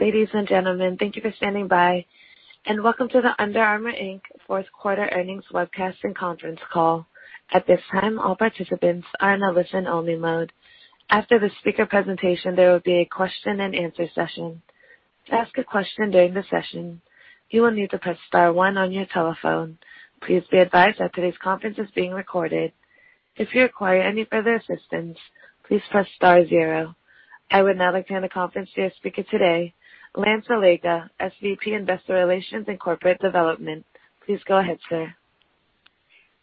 Ladies and gentlemen, thank you for standing by, and welcome to the Under Armour, Inc. fourth quarter earnings webcast and conference call. At this time, all participants are in a listen-only mode. After the speaker presentation, there will be a question and answer session. To ask a question during the session, you will need to press star one on your telephone. Please be advised that today's conference is being recorded. If you require any further assistance, please press star zero. I would now like to hand the conference to your speaker today, Lance Allega, Senior Vice President Investor Relations and Corporate Development. Please go ahead, sir.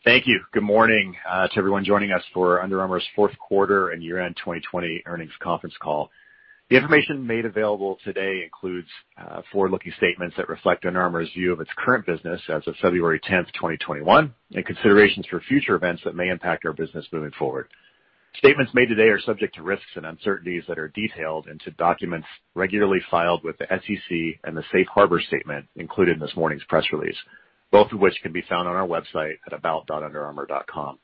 Thank you. Good morning to everyone joining us for Under Armour's fourth quarter and year-end 2020 earnings conference call. The information made available today includes forward-looking statements that reflect Under Armour's view of its current business as of February 10th, 2021, and considerations for future events that may impact our business moving forward. Statements made today are subject to risks and uncertainties that are detailed into documents regularly filed with the SEC and the safe harbor statement included in this morning's press release, both of which can be found on our website at about.underarmour.com.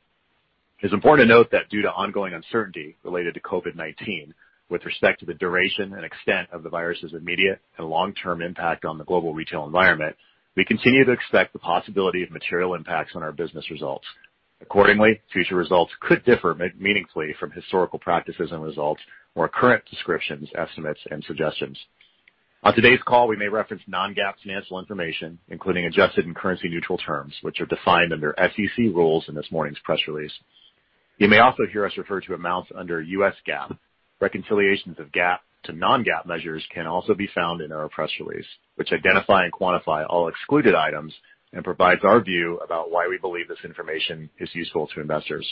It's important to note that due to ongoing uncertainty related to COVID-19, with respect to the duration and extent of the virus's immediate and long-term impact on the global retail environment, we continue to expect the possibility of material impacts on our business results. Accordingly, future results could differ meaningfully from historical practices and results or current descriptions, estimates, and suggestions. On today's call, we may reference non-GAAP financial information, including adjusted and currency neutral terms, which are defined under SEC rules in this morning's press release. You may also hear us refer to amounts under U.S. GAAP. Reconciliations of GAAP to non-GAAP measures can also be found in our press release, which identify and quantify all excluded items and provides our view about why we believe this information is useful to investors.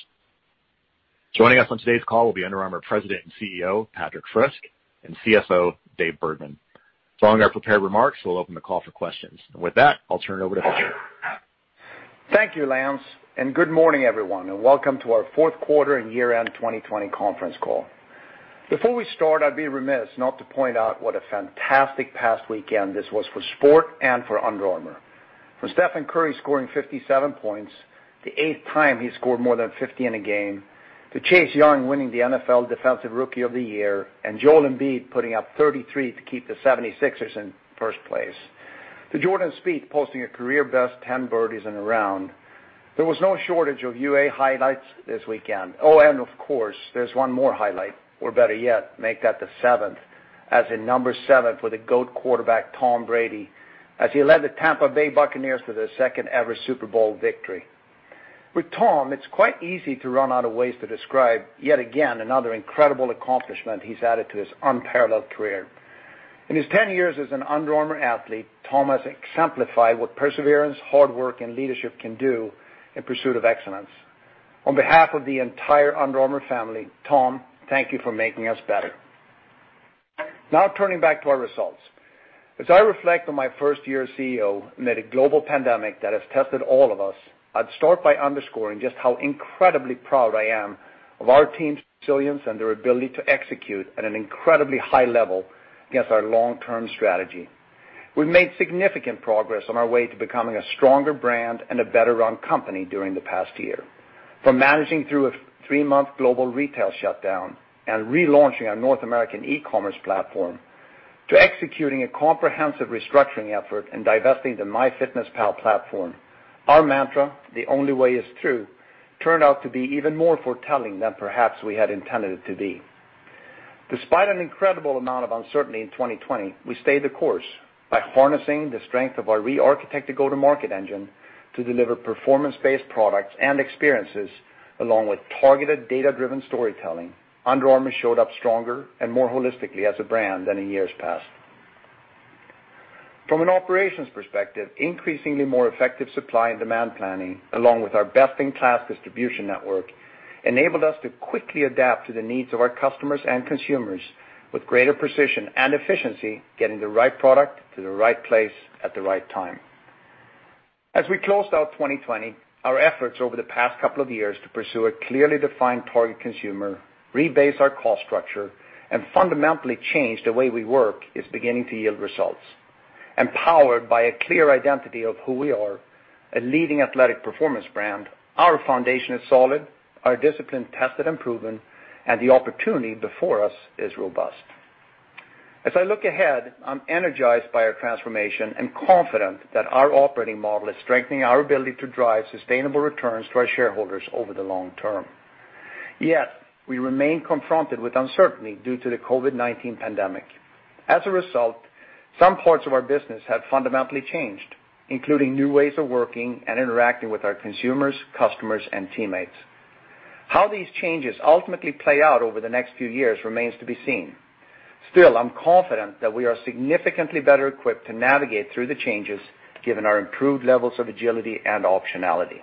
Joining us on today's call will be Under Armour President and Chief Executive Officer, Patrik Frisk, and Chief Financial Officer, Dave Bergman. Following our prepared remarks, we'll open the call for questions. With that, I'll turn it over to Patrik. Thank you, Lance, good morning, everyone, and welcome to our fourth quarter and year-end 2020 conference call. Before we start, I'd be remiss not to point out what a fantastic past weekend this was for sport and for Under Armour. From Stephen Curry scoring 57 points, the eighth time he scored more than 50 in a game, to Chase Young winning the NFL Defensive Rookie of the Year, and Joel Embiid putting up 33 to keep the 76ers in first place, to Jordan Spieth posting a career-best 10 birdies in a round, there was no shortage of UA highlights this weekend. Oh, of course, there's one more highlight, or better yet, make that the seventh, as in number seven for the GOAT quarterback, Tom Brady, as he led the Tampa Bay Buccaneers to their second-ever Super Bowl victory. With Tom, it's quite easy to run out of ways to describe, yet again, another incredible accomplishment he's added to his unparalleled career. In his 10 years as an Under Armour athlete, Tom has exemplified what perseverance, hard work, and leadership can do in pursuit of excellence. On behalf of the entire Under Armour family, Tom, thank you for making us better. Now turning back to our results. As I reflect on my first year as Chief Executive Officer amid a global pandemic that has tested all of us, I'd start by underscoring just how incredibly proud I am of our team's resilience and their ability to execute at an incredibly high level against our long-term strategy. We've made significant progress on our way to becoming a stronger brand and a better-run company during the past year. From managing through a three-month global retail shutdown and relaunching our North American e-commerce platform, to executing a comprehensive restructuring effort and divesting the MyFitnessPal platform. Our mantra, "The Only Way Is Through," turned out to be even more foretelling than perhaps we had intended it to be. Despite an incredible amount of uncertainty in 2020, we stayed the course. By harnessing the strength of our re-architected go-to-market engine to deliver performance-based products and experiences along with targeted data-driven storytelling, Under Armour showed up stronger and more holistically as a brand than in years past. From an operations perspective, increasingly more effective supply and demand planning, along with our best-in-class distribution network, enabled us to quickly adapt to the needs of our customers and consumers with greater precision and efficiency, getting the right product to the right place at the right time. As we closed out 2020, our efforts over the past couple of years to pursue a clearly defined target consumer, rebase our cost structure, and fundamentally change the way we work is beginning to yield results. Empowered by a clear identity of who we are, a leading athletic performance brand, our foundation is solid, our discipline tested and proven, and the opportunity before us is robust. As I look ahead, I'm energized by our transformation and confident that our operating model is strengthening our ability to drive sustainable returns to our shareholders over the long term. Yet, we remain confronted with uncertainty due to the COVID-19 pandemic. As a result, some parts of our business have fundamentally changed, including new ways of working and interacting with our consumers, customers, and teammates. How these changes ultimately play out over the next few years remains to be seen. Still, I'm confident that we are significantly better equipped to navigate through the changes given our improved levels of agility and optionality.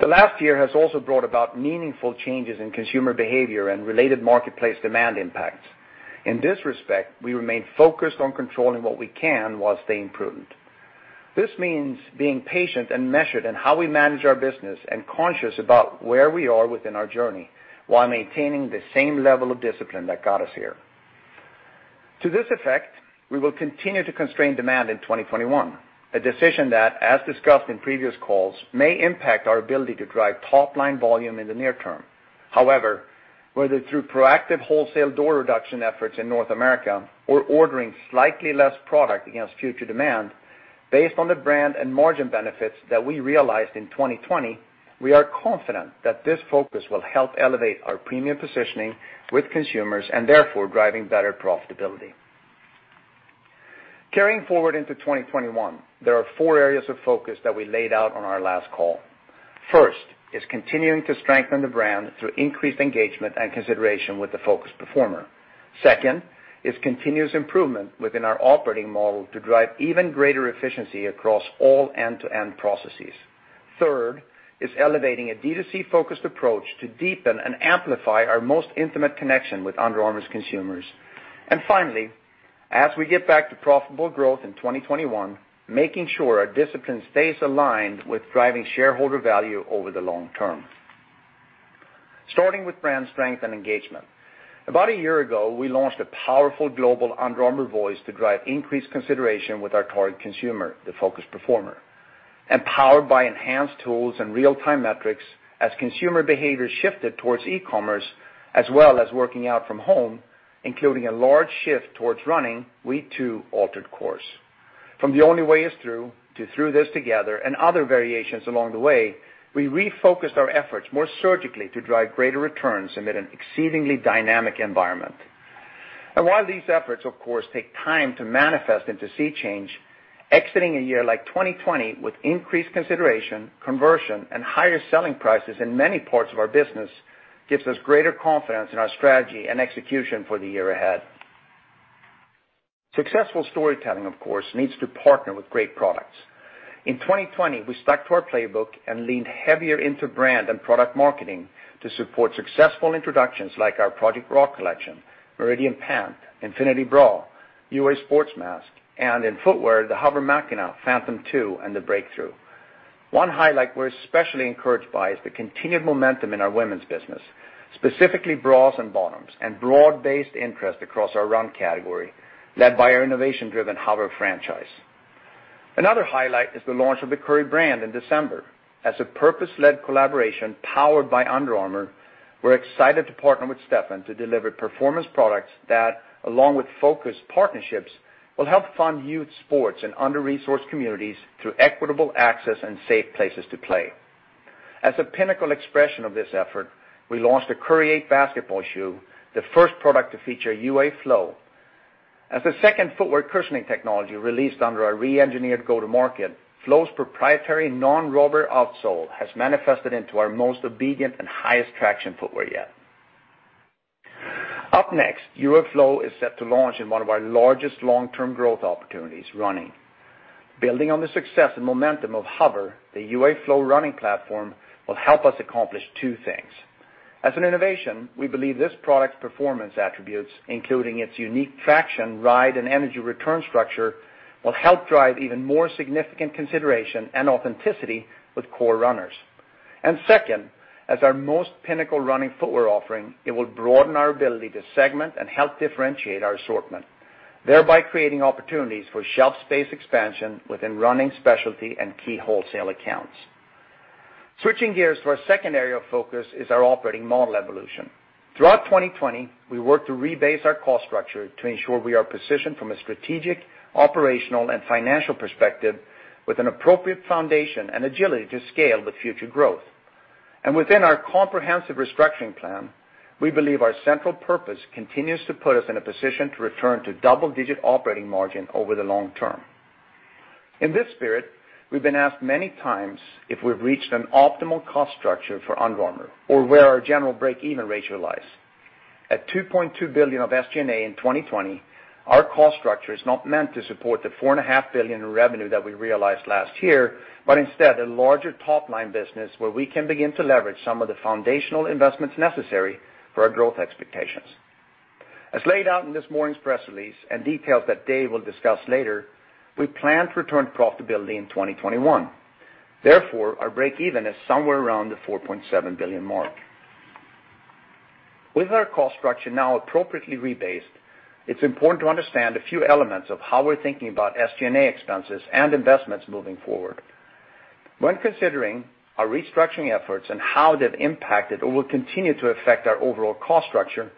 The last year has also brought about meaningful changes in consumer behavior and related marketplace demand impacts. In this respect, we remain focused on controlling what we can while staying prudent. This means being patient and measured in how we manage our business and conscious about where we are within our journey while maintaining the same level of discipline that got us here. To this effect, we will continue to constrain demand in 2021, a decision that, as discussed in previous calls, may impact our ability to drive top-line volume in the near term. Whether through proactive wholesale door reduction efforts in North America or ordering slightly less product against future demand, based on the brand and margin benefits that we realized in 2020, we are confident that this focus will help elevate our premium positioning with consumers and therefore driving better profitability. Carrying forward into 2021, there are four areas of focus that we laid out on our last call. First is continuing to strengthen the brand through increased engagement and consideration with the focus performer. Second is continuous improvement within our operating model to drive even greater efficiency across all end-to-end processes. Third is elevating a D2C-focused approach to deepen and amplify our most intimate connection with Under Armour's consumers. Finally, as we get back to profitable growth in 2021, making sure our discipline stays aligned with driving shareholder value over the long term. Starting with brand strength and engagement. About a year ago, we launched a powerful global Under Armour voice to drive increased consideration with our target consumer, the focus performer. Powered by enhanced tools and real-time metrics, as consumer behavior shifted towards e-commerce, as well as working out from home, including a large shift towards running, we too altered course. From The Only Way Is Through to Through This Together and other variations along the way, we refocused our efforts more surgically to drive greater returns amid an exceedingly dynamic environment. While these efforts of course take time to manifest into sea change, exiting a year like 2020 with increased consideration, conversion, and higher selling prices in many parts of our business gives us greater confidence in our strategy and execution for the year ahead. Successful storytelling, of course, needs to partner with great products. In 2020, we stuck to our playbook and leaned heavier into brand and product marketing to support successful introductions like our Project Rock collection, Meridian Pant, Infinity Bra, UA SPORTSMASK, and in footwear, the HOVR Machina, Phantom 2, and the Breakthru. One highlight we're especially encouraged by is the continued momentum in our women's business, specifically bras and bottoms, and broad-based interest across our run category, led by our innovation-driven HOVR franchise. Another highlight is the launch of the Curry Brand in December. As a purpose-led collaboration powered by Under Armour, we're excited to partner with Stephen to deliver performance products that, along with focus partnerships, will help fund youth sports in under-resourced communities through equitable access and safe places to play. As a pinnacle expression of this effort, we launched the Curry 8 basketball shoe, the first product to feature UA Flow. As the second footwear cushioning technology released under our re-engineered go-to-market, Flow's proprietary non-rubber outsole has manifested into our most obedient and highest traction footwear yet. Up next, UA Flow is set to launch in one of our largest long-term growth opportunities, running. Building on the success and momentum of HOVR, the UA Flow running platform will help us accomplish two things. As an innovation, we believe this product's performance attributes, including its unique traction, ride, and energy return structure, will help drive even more significant consideration and authenticity with core runners. Second, as our most pinnacle running footwear offering, it will broaden our ability to segment and help differentiate our assortment, thereby creating opportunities for shelf space expansion within running specialty and key wholesale accounts. Switching gears to our second area of focus is our operating model evolution. Throughout 2020, we worked to rebase our cost structure to ensure we are positioned from a strategic, operational, and financial perspective with an appropriate foundation and agility to scale with future growth. Within our comprehensive restructuring plan, we believe our central purpose continues to put us in a position to return to double-digit operating margin over the long term. In this spirit, we've been asked many times if we've reached an optimal cost structure for Under Armour or where our general break-even ratio lies. At $2.2 billion of SG&A in 2020, our cost structure is not meant to support the $4.5 billion in revenue that we realized last year, but instead a larger top-line business where we can begin to leverage some of the foundational investments necessary for our growth expectations. As laid out in this morning's press release and details that Dave will discuss later, we plan to return profitability in 2021. Therefore, our break even is somewhere around the $4.7 billion mark. With our cost structure now appropriately rebased, it's important to understand a few elements of how we're thinking about SG&A expenses and investments moving forward. When considering our restructuring efforts and how they've impacted or will continue to affect our overall cost structure,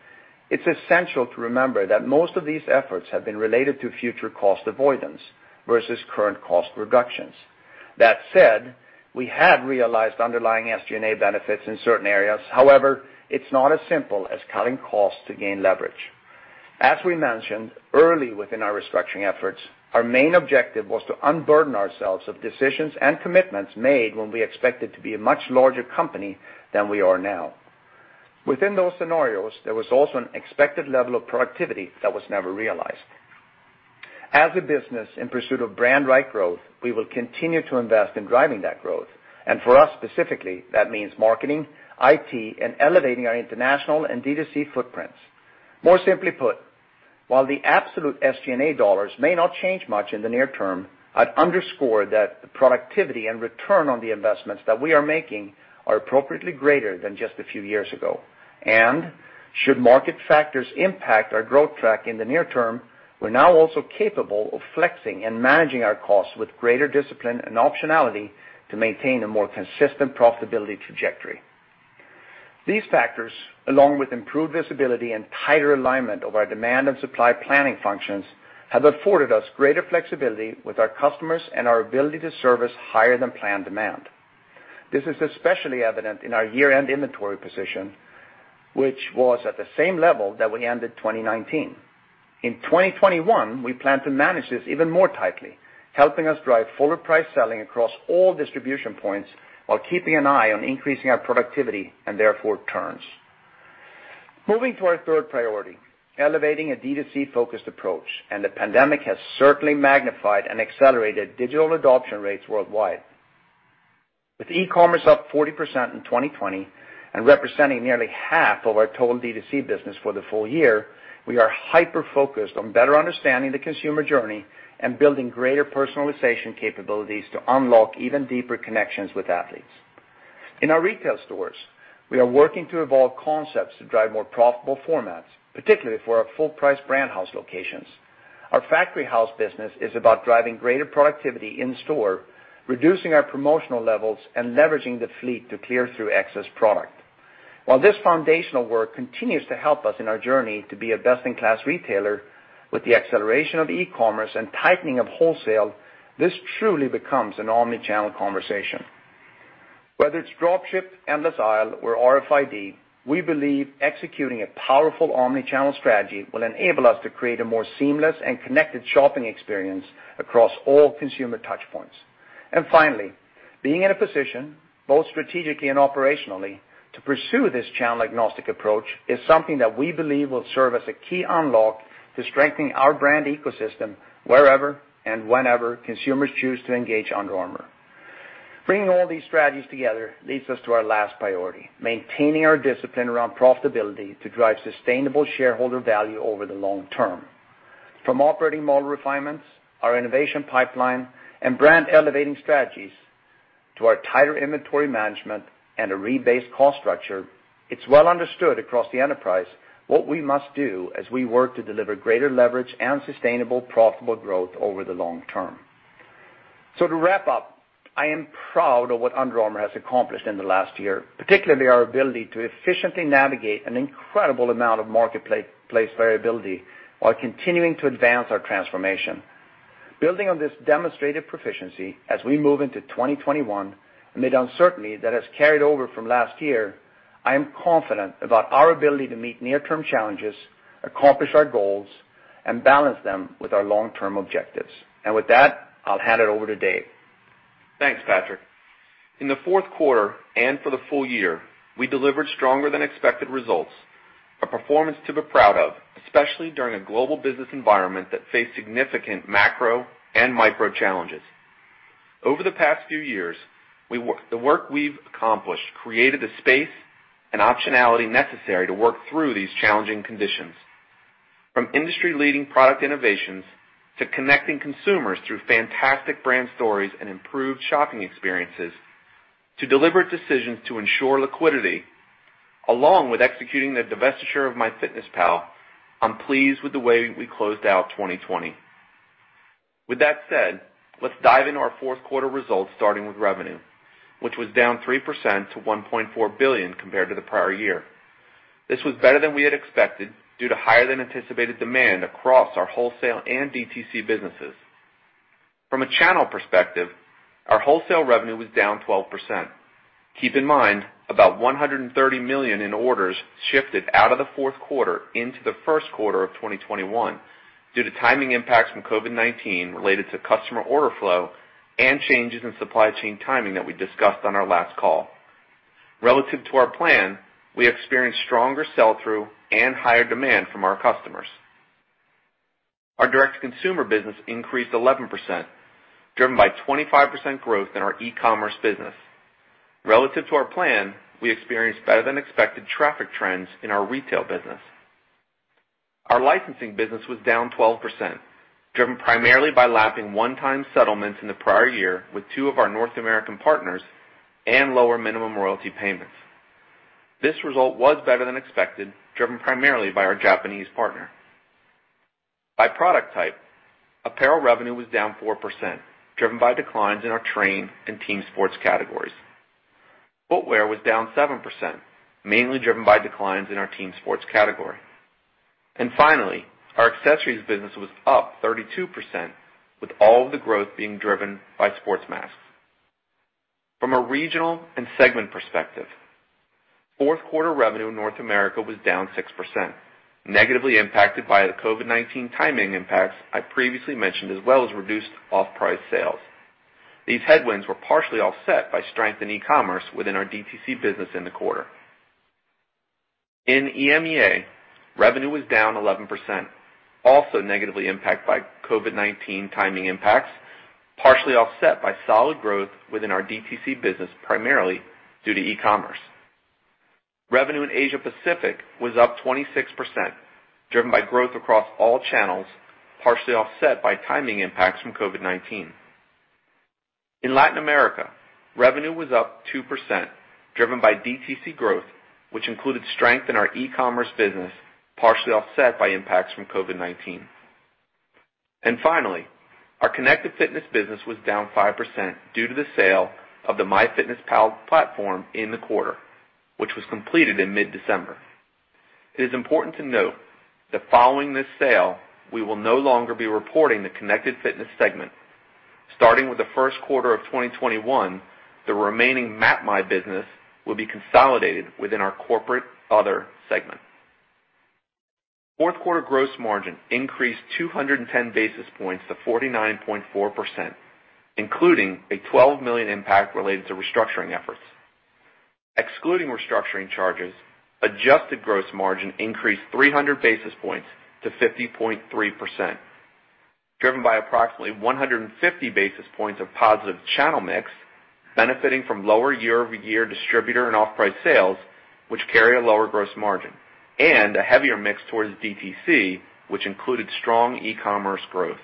it's essential to remember that most of these efforts have been related to future cost avoidance versus current cost reductions. That said, we have realized underlying SG&A benefits in certain areas. However, it's not as simple as cutting costs to gain leverage. As we mentioned early within our restructuring efforts, our main objective was to unburden ourselves of decisions and commitments made when we expected to be a much larger company than we are now. Within those scenarios, there was also an expected level of productivity that was never realized. As a business in pursuit of brand right growth, we will continue to invest in driving that growth. For us specifically, that means marketing, IT, and elevating our international and D2C footprints. More simply put, while the absolute SG&A dollars may not change much in the near term, I'd underscore that the productivity and return on the investments that we are making are appropriately greater than just a few years ago. Should market factors impact our growth track in the near term, we're now also capable of flexing and managing our costs with greater discipline and optionality to maintain a more consistent profitability trajectory. These factors, along with improved visibility and tighter alignment of our demand and supply planning functions, have afforded us greater flexibility with our customers and our ability to service higher than planned demand. This is especially evident in our year-end inventory position, which was at the same level that we ended 2019. In 2021, we plan to manage this even more tightly, helping us drive fuller price selling across all distribution points while keeping an eye on increasing our productivity and therefore turns. Moving to our third priority, elevating a D2C-focused approach. The pandemic has certainly magnified and accelerated digital adoption rates worldwide. With e-commerce up 40% in 2020 and representing nearly half of our total D2C business for the full year, we are hyper-focused on better understanding the consumer journey and building greater personalization capabilities to unlock even deeper connections with athletes. In our retail stores, we are working to evolve concepts to drive more profitable formats, particularly for our full-price Brand House locations. Our Factory House business is about driving greater productivity in-store, reducing our promotional levels, and leveraging the fleet to clear through excess product. While this foundational work continues to help us in our journey to be a best-in-class retailer, with the acceleration of e-commerce and tightening of wholesale, this truly becomes an omni-channel conversation. Whether it's drop ship, endless aisle, or RFID, we believe executing a powerful omni-channel strategy will enable us to create a more seamless and connected shopping experience across all consumer touch points. Finally, being in a position, both strategically and operationally, to pursue this channel-agnostic approach is something that we believe will serve as a key unlock to strengthening our brand ecosystem wherever and whenever consumers choose to engage Under Armour. Bringing all these strategies together leads us to our last priority, maintaining our discipline around profitability to drive sustainable shareholder value over the long term. From operating model refinements, our innovation pipeline, and brand-elevating strategies, to our tighter inventory management and a rebased cost structure, it's well understood across the enterprise what we must do as we work to deliver greater leverage and sustainable profitable growth over the long term. To wrap up, I am proud of what Under Armour has accomplished in the last year, particularly our ability to efficiently navigate an incredible amount of marketplace variability while continuing to advance our transformation. Building on this demonstrated proficiency as we move into 2021 amid uncertainty that has carried over from last year, I am confident about our ability to meet near-term challenges, accomplish our goals, and balance them with our long-term objectives. With that, I'll hand it over to Dave. Thanks, Patrik. In the fourth quarter and for the full year, we delivered stronger than expected results, a performance to be proud of, especially during a global business environment that faced significant macro and micro challenges. Over the past few years, the work we've accomplished created the space and optionality necessary to work through these challenging conditions. From industry-leading product innovations to connecting consumers through fantastic brand stories and improved shopping experiences, to deliberate decisions to ensure liquidity, along with executing the divestiture of MyFitnessPal, I'm pleased with the way we closed out 2020. Let's dive into our fourth quarter results, starting with revenue, which was down 3% to $1.4 billion compared to the prior year. This was better than we had expected due to higher-than-anticipated demand across our wholesale and DTC businesses. From a channel perspective, our wholesale revenue was down 12%. Keep in mind, about $130 million in orders shifted out of the fourth quarter into the first quarter of 2021 due to timing impacts from COVID-19 related to customer order flow and changes in supply chain timing that we discussed on our last call. Relative to our plan, we experienced stronger sell-through and higher demand from our customers. Our direct-to-consumer business increased 11%, driven by 25% growth in our e-commerce business. Relative to our plan, we experienced better-than-expected traffic trends in our retail business. Our licensing business was down 12%, driven primarily by lapping one-time settlements in the prior year with two of our North American partners and lower minimum royalty payments. This result was better than expected, driven primarily by our Japanese partner. By product type, apparel revenue was down 4%, driven by declines in our train and team sports categories. Footwear was down 7%, mainly driven by declines in our team sports category. Finally, our accessories business was up 32% with all of the growth being driven by sports masks. From a regional and segment perspective, fourth quarter revenue in North America was down 6%, negatively impacted by the COVID-19 timing impacts I previously mentioned, as well as reduced off-price sales. These headwinds were partially offset by strength in e-commerce within our DTC business in the quarter. In EMEA, revenue was down 11%, also negatively impacted by COVID-19 timing impacts, partially offset by solid growth within our DTC business, primarily due to e-commerce. Revenue in Asia Pacific was up 26%, driven by growth across all channels, partially offset by timing impacts from COVID-19. In Latin America, revenue was up 2%, driven by DTC growth, which included strength in our e-commerce business, partially offset by impacts from COVID-19. Finally, our Connected Fitness business was down 5% due to the sale of the MyFitnessPal platform in the quarter, which was completed in mid-December. It is important to note that following this sale, we will no longer be reporting the Connected Fitness segment. Starting with the first quarter of 2021, the remaining MapMy business will be consolidated within our Corporate Other segment. Fourth quarter gross margin increased 210 basis points to 49.4%, including a $12 million impact related to restructuring efforts. Excluding restructuring charges, adjusted gross margin increased 300 basis points to 50.3%, driven by approximately 150 basis points of positive channel mix, benefiting from lower YoY distributor and off-price sales, which carry a lower gross margin, and a heavier mix towards DTC, which included strong e-commerce growth.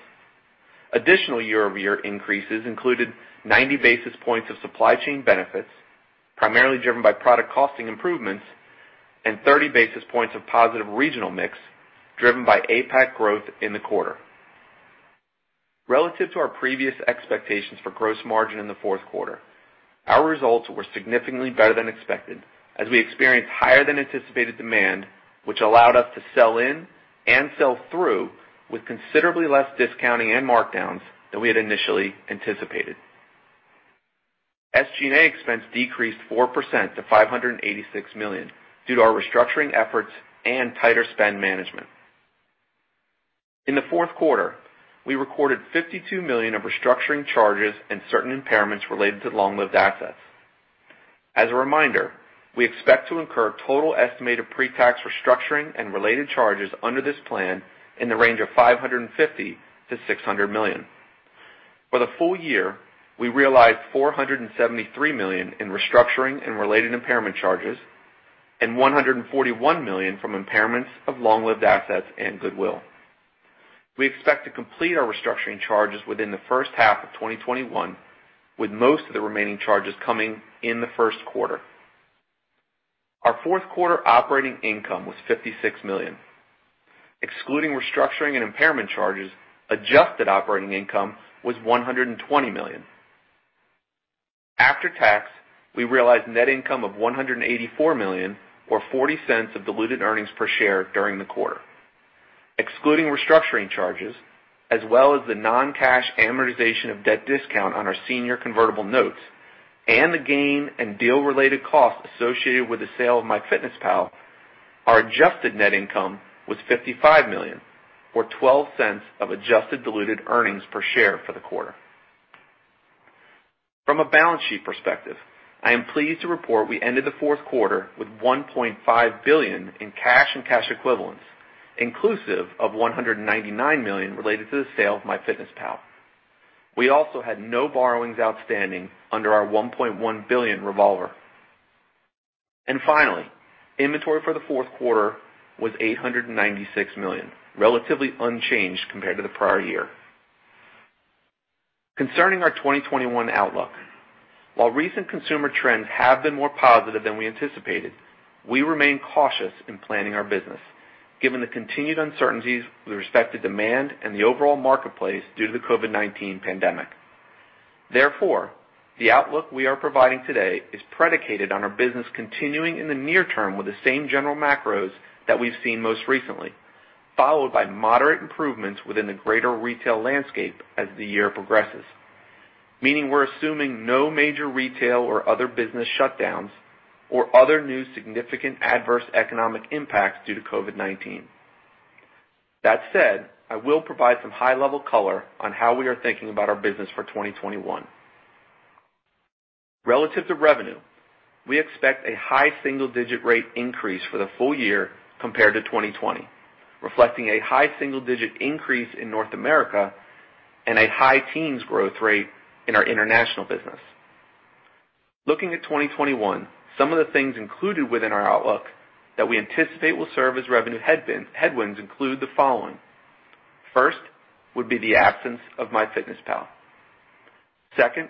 Additional YoY increases included 90 basis points of supply chain benefits, primarily driven by product costing improvements, and 30 basis points of positive regional mix, driven by APAC growth in the quarter. Relative to our previous expectations for gross margin in the fourth quarter, our results were significantly better than expected, as we experienced higher-than-anticipated demand, which allowed us to sell in and sell through with considerably less discounting and markdowns than we had initially anticipated. SG&A expense decreased 4% to $586 million due to our restructuring efforts and tighter spend management. In the fourth quarter, we recorded $52 million of restructuring charges and certain impairments related to long-lived assets. As a reminder, we expect to incur total estimated pre-tax restructuring and related charges under this plan in the range of $550 million-$600 million. For the full year, we realized $473 million in restructuring and related impairment charges and $141 million from impairments of long-lived assets and goodwill. We expect to complete our restructuring charges within the first half of 2021, with most of the remaining charges coming in the first quarter. Our fourth quarter operating income was $56 million. Excluding restructuring and impairment charges, adjusted operating income was $120 million. After tax, we realized net income of $184 million, or $0.40 of diluted earnings per share during the quarter. Excluding restructuring charges, as well as the non-cash amortization of debt discount on our senior convertible notes and the gain and deal-related costs associated with the sale of MyFitnessPal, our adjusted net income was $55 million, or $0.12 of adjusted diluted earnings per share for the quarter. From a balance sheet perspective, I am pleased to report we ended the fourth quarter with $1.5 billion in cash and cash equivalents, inclusive of $199 million related to the sale of MyFitnessPal. We also had no borrowings outstanding under our $1.1 billion revolver. Finally, inventory for the fourth quarter was $896 million, relatively unchanged compared to the prior year. Concerning our 2021 outlook, while recent consumer trends have been more positive than we anticipated, we remain cautious in planning our business, given the continued uncertainties with respect to demand and the overall marketplace due to the COVID-19 pandemic. Therefore, the outlook we are providing today is predicated on our business continuing in the near term with the same general macros that we've seen most recently, followed by moderate improvements within the greater retail landscape as the year progresses, meaning we're assuming no major retail or other business shutdowns or other new significant adverse economic impacts due to COVID-19. That said, I will provide some high-level color on how we are thinking about our business for 2021. Relative to revenue, we expect a high single-digit rate increase for the full year compared to 2020, reflecting a high single-digit increase in North America and a high teens growth rate in our international business. Looking at 2021, some of the things included within our outlook that we anticipate will serve as revenue headwinds include the following. First would be the absence of MyFitnessPal. Second,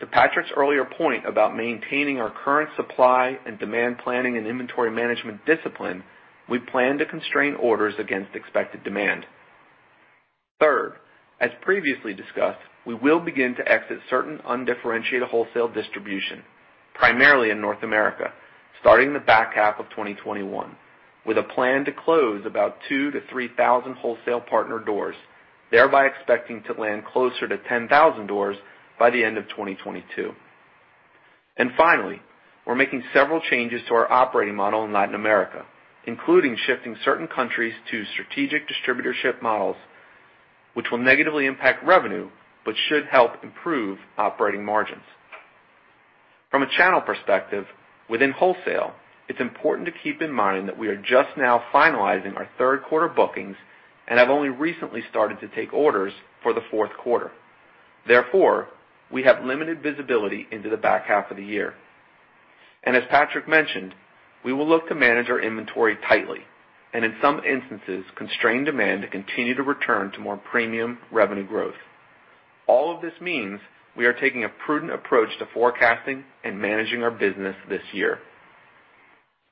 to Patrik's earlier point about maintaining our current supply and demand planning and inventory management discipline, we plan to constrain orders against expected demand. Third, as previously discussed, we will begin to exit certain undifferentiated wholesale distribution, primarily in North America, starting the back half of 2021, with a plan to close about 2,000-3,000 wholesale partner doors, thereby expecting to land closer to 10,000 doors by the end of 2022. Finally, we're making several changes to our operating model in Latin America, including shifting certain countries to strategic distributorship models, which will negatively impact revenue, but should help improve operating margins. From a channel perspective, within wholesale, it's important to keep in mind that we are just now finalizing our third quarter bookings and have only recently started to take orders for the fourth quarter. Therefore, we have limited visibility into the back half of the year. As Patrik mentioned, we will look to manage our inventory tightly and in some instances, constrain demand to continue to return to more premium revenue growth. All of this means we are taking a prudent approach to forecasting and managing our business this year.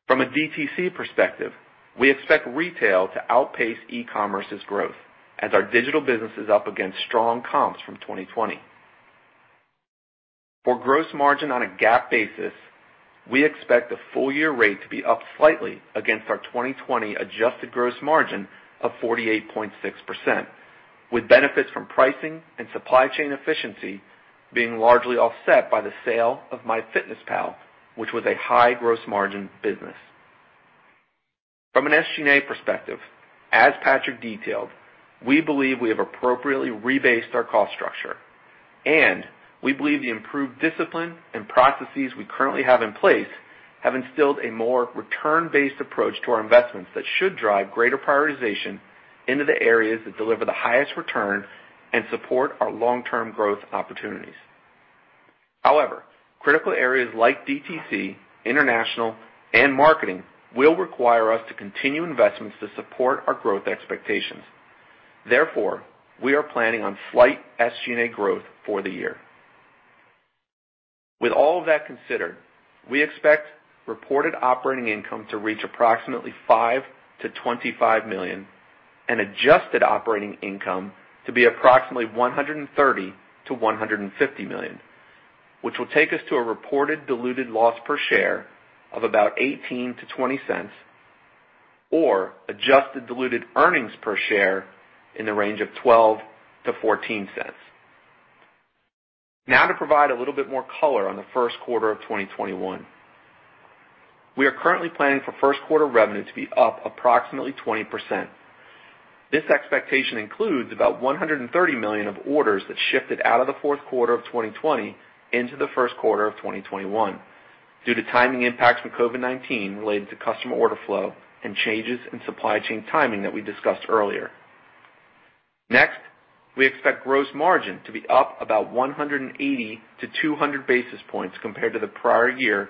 From a DTC perspective, we expect retail to outpace e-commerce's growth as our digital business is up against strong comps from 2020. For gross margin on a GAAP basis, we expect the full year rate to be up slightly against our 2020 adjusted gross margin of 48.6%, with benefits from pricing and supply chain efficiency being largely offset by the sale of MyFitnessPal, which was a high gross margin business. From an SG&A perspective, as Patrik detailed, we believe we have appropriately rebased our cost structure, and we believe the improved discipline and processes we currently have in place have instilled a more return-based approach to our investments that should drive greater prioritization into the areas that deliver the highest return and support our long-term growth opportunities. However, critical areas like DTC, international, and marketing will require us to continue investments to support our growth expectations. Therefore, we are planning on slight SG&A growth for the year. With all of that considered, we expect reported operating income to reach approximately $5 million-$25 million and adjusted operating income to be approximately $130 million-$150 million, which will take us to a reported diluted loss per share of about $0.18-$0.20, or adjusted diluted earnings per share in the range of $0.12-$0.14. To provide a little bit more color on the first quarter of 2021. We are currently planning for first quarter revenue to be up approximately 20%. This expectation includes about $130 million of orders that shifted out of the fourth quarter of 2020 into the first quarter of 2021 due to timing impacts from COVID-19 related to customer order flow and changes in supply chain timing that we discussed earlier. We expect gross margin to be up about 180-200 basis points compared to the prior year,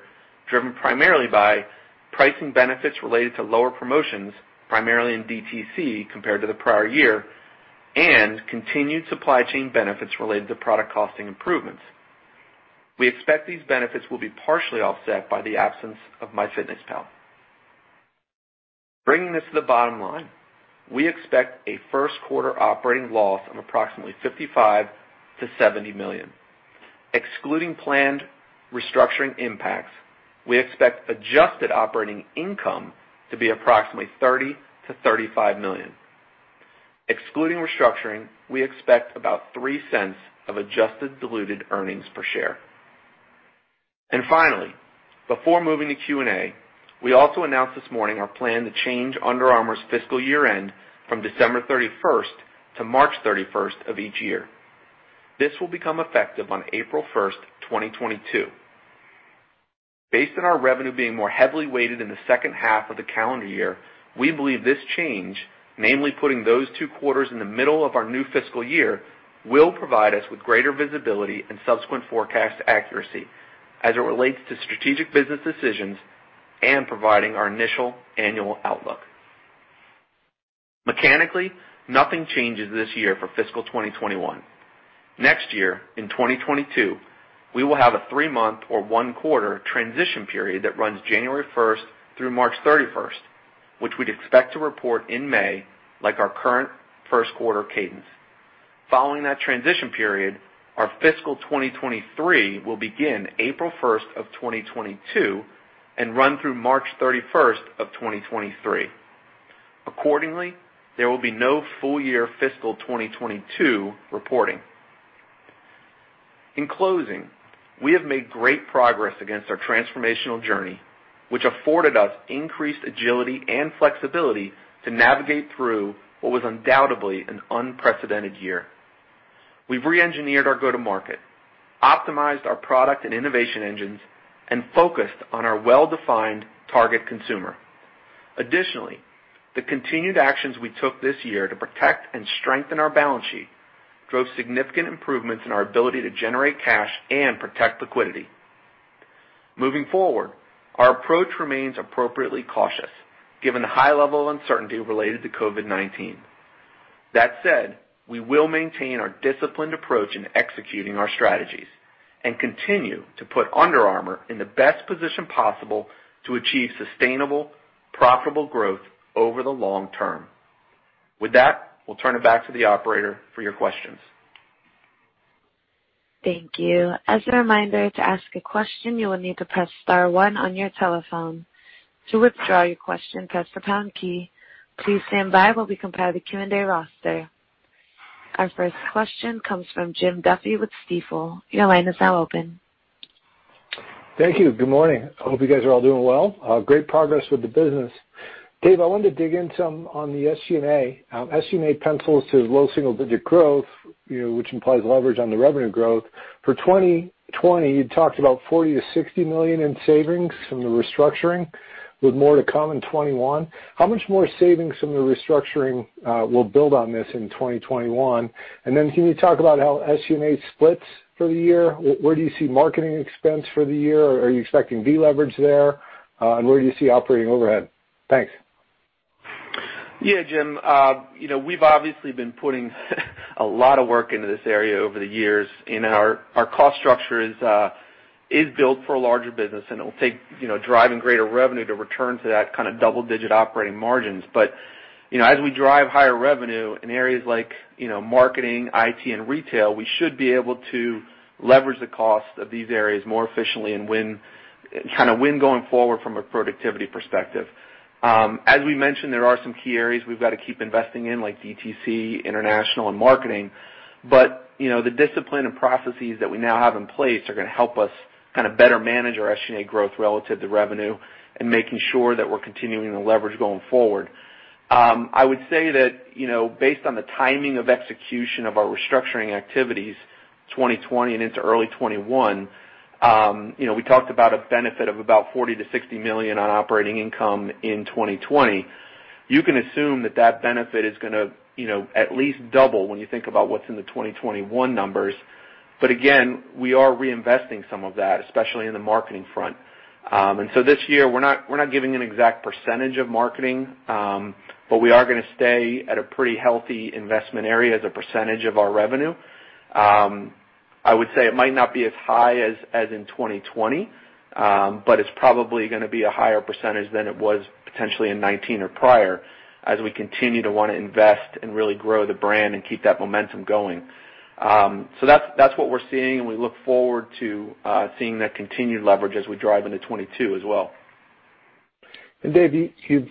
driven primarily by pricing benefits related to lower promotions, primarily in DTC compared to the prior year, and continued supply chain benefits related to product costing improvements. We expect these benefits will be partially offset by the absence of MyFitnessPal. Bringing this to the bottom line, we expect a first quarter operating loss of approximately $55 million-$70 million. Excluding planned restructuring impacts, we expect adjusted operating income to be $30 million-$35 million. Excluding restructuring, we expect about $0.03 of adjusted diluted earnings per share. Finally, before moving to Q&A, we also announced this morning our plan to change Under Armour's fiscal year-end from December 31st to March 31st of each year. This will become effective on April 1st, 2022. Based on our revenue being more heavily weighted in the second half of the calendar year, we believe this change, namely putting those two quarters in the middle of our new fiscal year, will provide us with greater visibility and subsequent forecast accuracy as it relates to strategic business decisions and providing our initial annual outlook. Mechanically, nothing changes this year for fiscal 2021. Next year, in 2022, we will have a three-month or one-quarter transition period that runs January 1st through March 31st, which we'd expect to report in May, like our current first quarter cadence. Following that transition period, our fiscal 2023 will begin April 1st of 2022 and run through March 31st of 2023. Accordingly, there will be no full year fiscal 2022 reporting. In closing, we have made great progress against our transformational journey, which afforded us increased agility and flexibility to navigate through what was undoubtedly an unprecedented year. We've re-engineered our go-to-market, optimized our product and innovation engines, and focused on our well-defined target consumer. Additionally, the continued actions we took this year to protect and strengthen our balance sheet drove significant improvements in our ability to generate cash and protect liquidity. Moving forward, our approach remains appropriately cautious given the high level of uncertainty related to COVID-19. That said, we will maintain our disciplined approach in executing our strategies and continue to put Under Armour in the best position possible to achieve sustainable, profitable growth over the long term. With that, we'll turn it back to the operator for your questions. Thank you. As a reminder, to ask a question, you will need to press star one on your telephone. To withdraw your question please press the pound key. Please stand by while we compile the Q&A roster. Our first question comes from Jim Duffy with Stifel. Your line is now open. Thank you. Good morning. I hope you guys are all doing well. Great progress with the business. Dave, I wanted to dig in some on the SG&A. SG&A pencils to low single digit growth, which implies leverage on the revenue growth. For 2020, you talked about $40 million-$60 million in savings from the restructuring. With more to come in 2021. How much more savings from the restructuring will build on this in 2021? Can you talk about how SG&A splits for the year? Where do you see marketing expense for the year? Are you expecting deleverage there? Where do you see operating overhead? Thanks. Yeah, Jim. We've obviously been putting a lot of work into this area over the years. Our cost structure is built for a larger business, and it'll take driving greater revenue to return to that kind of double-digit operating margins. As we drive higher revenue in areas like marketing, IT, and retail, we should be able to leverage the cost of these areas more efficiently and kind of win going forward from a productivity perspective. As we mentioned, there are some key areas we've got to keep investing in, like DTC, international, and marketing. The discipline and processes that we now have in place are gonna help us better manage our SG&A growth relative to revenue and making sure that we're continuing to leverage going forward. I would say that based on the timing of execution of our restructuring activities, 2020 and into early 2021, we talked about a benefit of about $40 million-$60 million on operating income in 2020. You can assume that benefit is gonna at least double when you think about what's in the 2021 numbers. We are reinvesting some of that, especially in the marketing front. This year we're not giving an exact percentage of marketing, but we are gonna stay at a pretty healthy investment area as a percentage of our revenue. I would say it might not be as high as in 2020, but it's probably gonna be a higher percentage than it was potentially in 2019 or prior as we continue to want to invest and really grow the brand and keep that momentum going. That's what we're seeing, and we look forward to seeing that continued leverage as we drive into 2022 as well. Dave, you've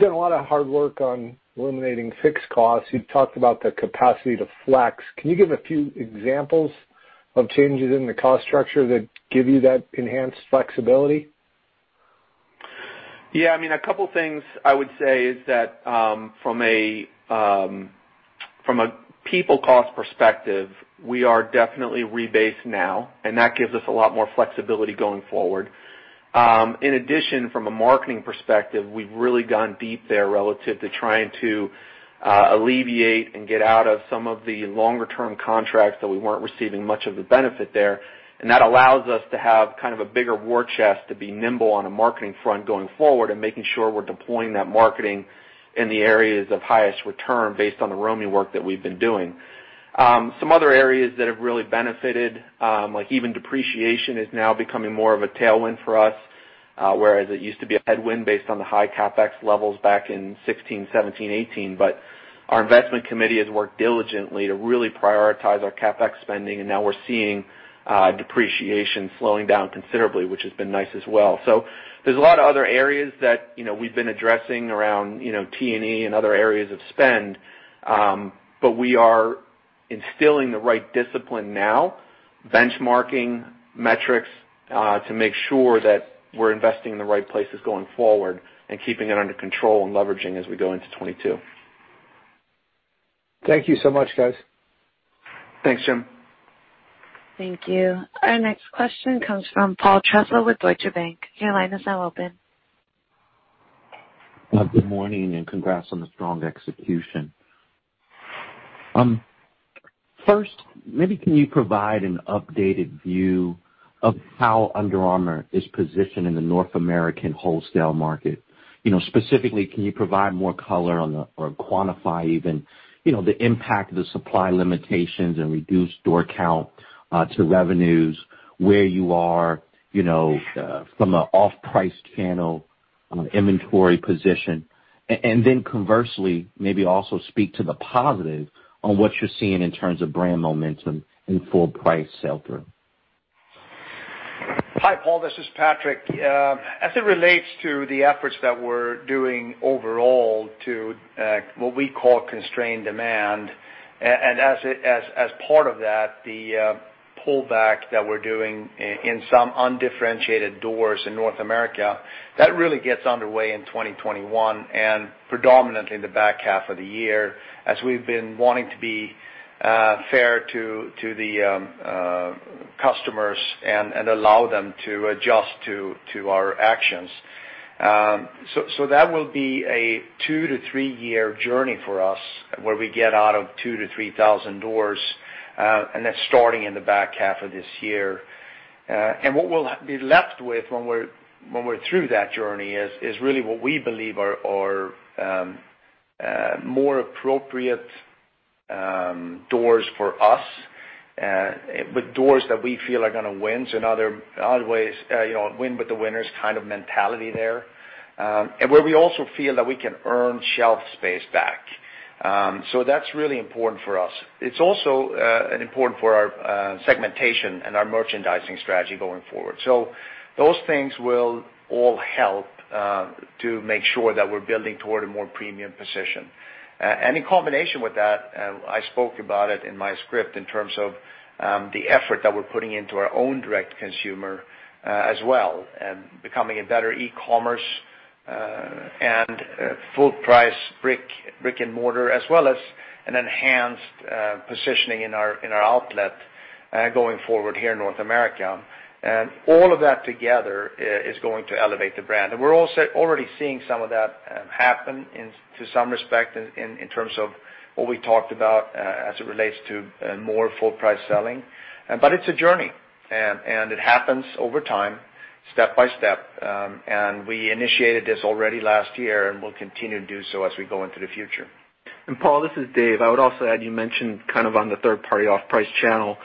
done a lot of hard work on eliminating fixed costs. You've talked about the capacity to flex. Can you give a few examples of changes in the cost structure that give you that enhanced flexibility? A couple of things I would say is that, from a people cost perspective, we are definitely rebased now, and that gives us a lot more flexibility going forward. In addition, from a marketing perspective, we've really gone deep there relative to trying to alleviate and get out of some of the longer-term contracts that we weren't receiving much of the benefit there, and that allows us to have kind of a bigger war chest to be nimble on a marketing front going forward and making sure we're deploying that marketing in the areas of highest return based on the ROMI work that we've been doing. Some other areas that have really benefited, like even depreciation is now becoming more of a tailwind for us, whereas it used to be a headwind based on the high CapEx levels back in 2016, 2017, 2018. Our investment committee has worked diligently to really prioritize our CapEx spending, and now we're seeing depreciation slowing down considerably, which has been nice as well. There's a lot of other areas that we've been addressing around T&E and other areas of spend. We are instilling the right discipline now, benchmarking metrics, to make sure that we're investing in the right places going forward and keeping it under control and leveraging as we go into 2022. Thank you so much, guys. Thanks, Jim. Thank you. Our next question comes from Paul Trussell with Deutsche Bank. Your line is now open. Good morning, and congrats on the strong execution. First, maybe can you provide an updated view of how Under Armour is positioned in the North American wholesale market? Specifically, can you provide more color on or quantify even the impact of the supply limitations and reduced door count to revenues, where you are from an off-price channel inventory position? Conversely, maybe also speak to the positive on what you're seeing in terms of brand momentum in full price sell-through. Hi, Paul. This is Patrik. As it relates to the efforts that we're doing overall to what we call constrained demand, and as part of that, the pullback that we're doing in some undifferentiated doors in North America, that really gets underway in 2021 and predominantly in the back half of the year, as we've been wanting to be fair to the customers and allow them to adjust to our actions. That will be a two to three-year journey for us, where we get out of 2,000-3,000 doors, and that's starting in the back half of this year. What we'll be left with when we're through that journey is really what we believe are more appropriate doors for us, with doors that we feel are gonna win. In other ways, a win with the winners kind of mentality there, and where we also feel that we can earn shelf space back. That's really important for us. It's also important for our segmentation and our merchandising strategy going forward. Those things will all help to make sure that we're building toward a more premium position. In combination with that, I spoke about it in my script in terms of the effort that we're putting into our own direct consumer as well, and becoming a better e-commerce Full price brick-and-mortar, as well as an enhanced positioning in our outlet going forward here in North America. All of that together is going to elevate the brand. We're also already seeing some of that happen to some respect in terms of what we talked about as it relates to more full price selling. It's a journey, and it happens over time, step by step. We initiated this already last year and will continue to do so as we go into the future. Paul, this is Dave. I would also add, you mentioned kind of on the third-party off-price channel.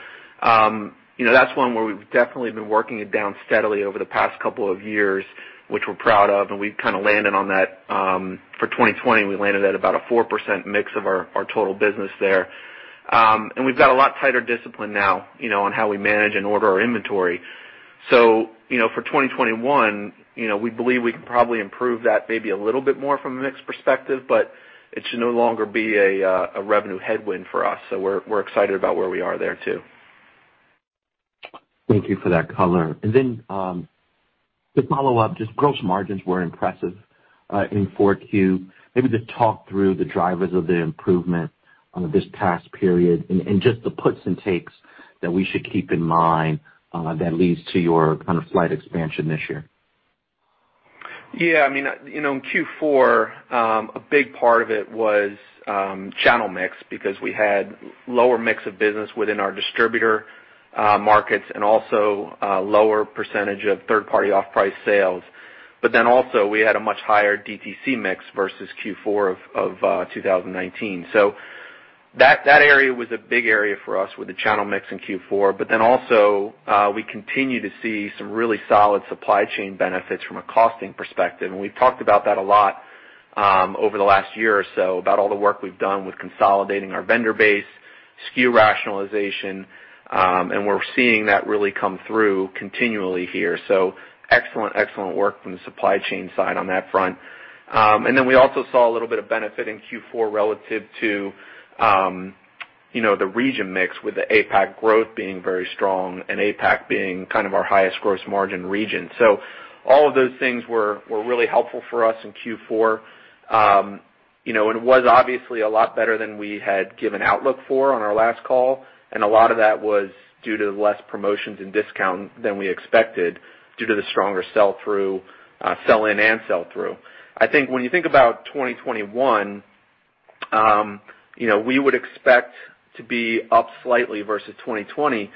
That's one where we've definitely been working it down steadily over the past couple of years, which we're proud of, and we've kind of landed on that for 2020. We landed at about a 4% mix of our total business there. We've got a lot tighter discipline now, on how we manage and order our inventory. For 2021, we believe we can probably improve that maybe a little bit more from a mix perspective, but it should no longer be a revenue headwind for us. We're excited about where we are there, too. Thank you for that color. Just follow up, just gross margins were impressive in 4Q. Maybe just talk through the drivers of the improvement on this past period and just the puts and takes that we should keep in mind that leads to your kind of slight expansion this year. In Q4, a big part of it was channel mix because we had lower mix of business within our distributor markets and also a lower percentage of third-party off-price sales. Also, we had a much higher DTC mix versus Q4 of 2019. That area was a big area for us with the channel mix in Q4. Also, we continue to see some really solid supply chain benefits from a costing perspective. We've talked about that a lot over the last year or so about all the work we've done with consolidating our vendor base, SKU rationalization, and we're seeing that really come through continually here. Excellent work from the supply chain side on that front. We also saw a little bit of benefit in Q4 relative to the region mix with the APAC growth being very strong and APAC being kind of our highest gross margin region. All of those things were really helpful for us in Q4. It was obviously a lot better than we had given outlook for on our last call, and a lot of that was due to less promotions and discount than we expected due to the stronger sell-in and sell-through. I think when you think about 2021, we would expect to be up slightly versus 2020,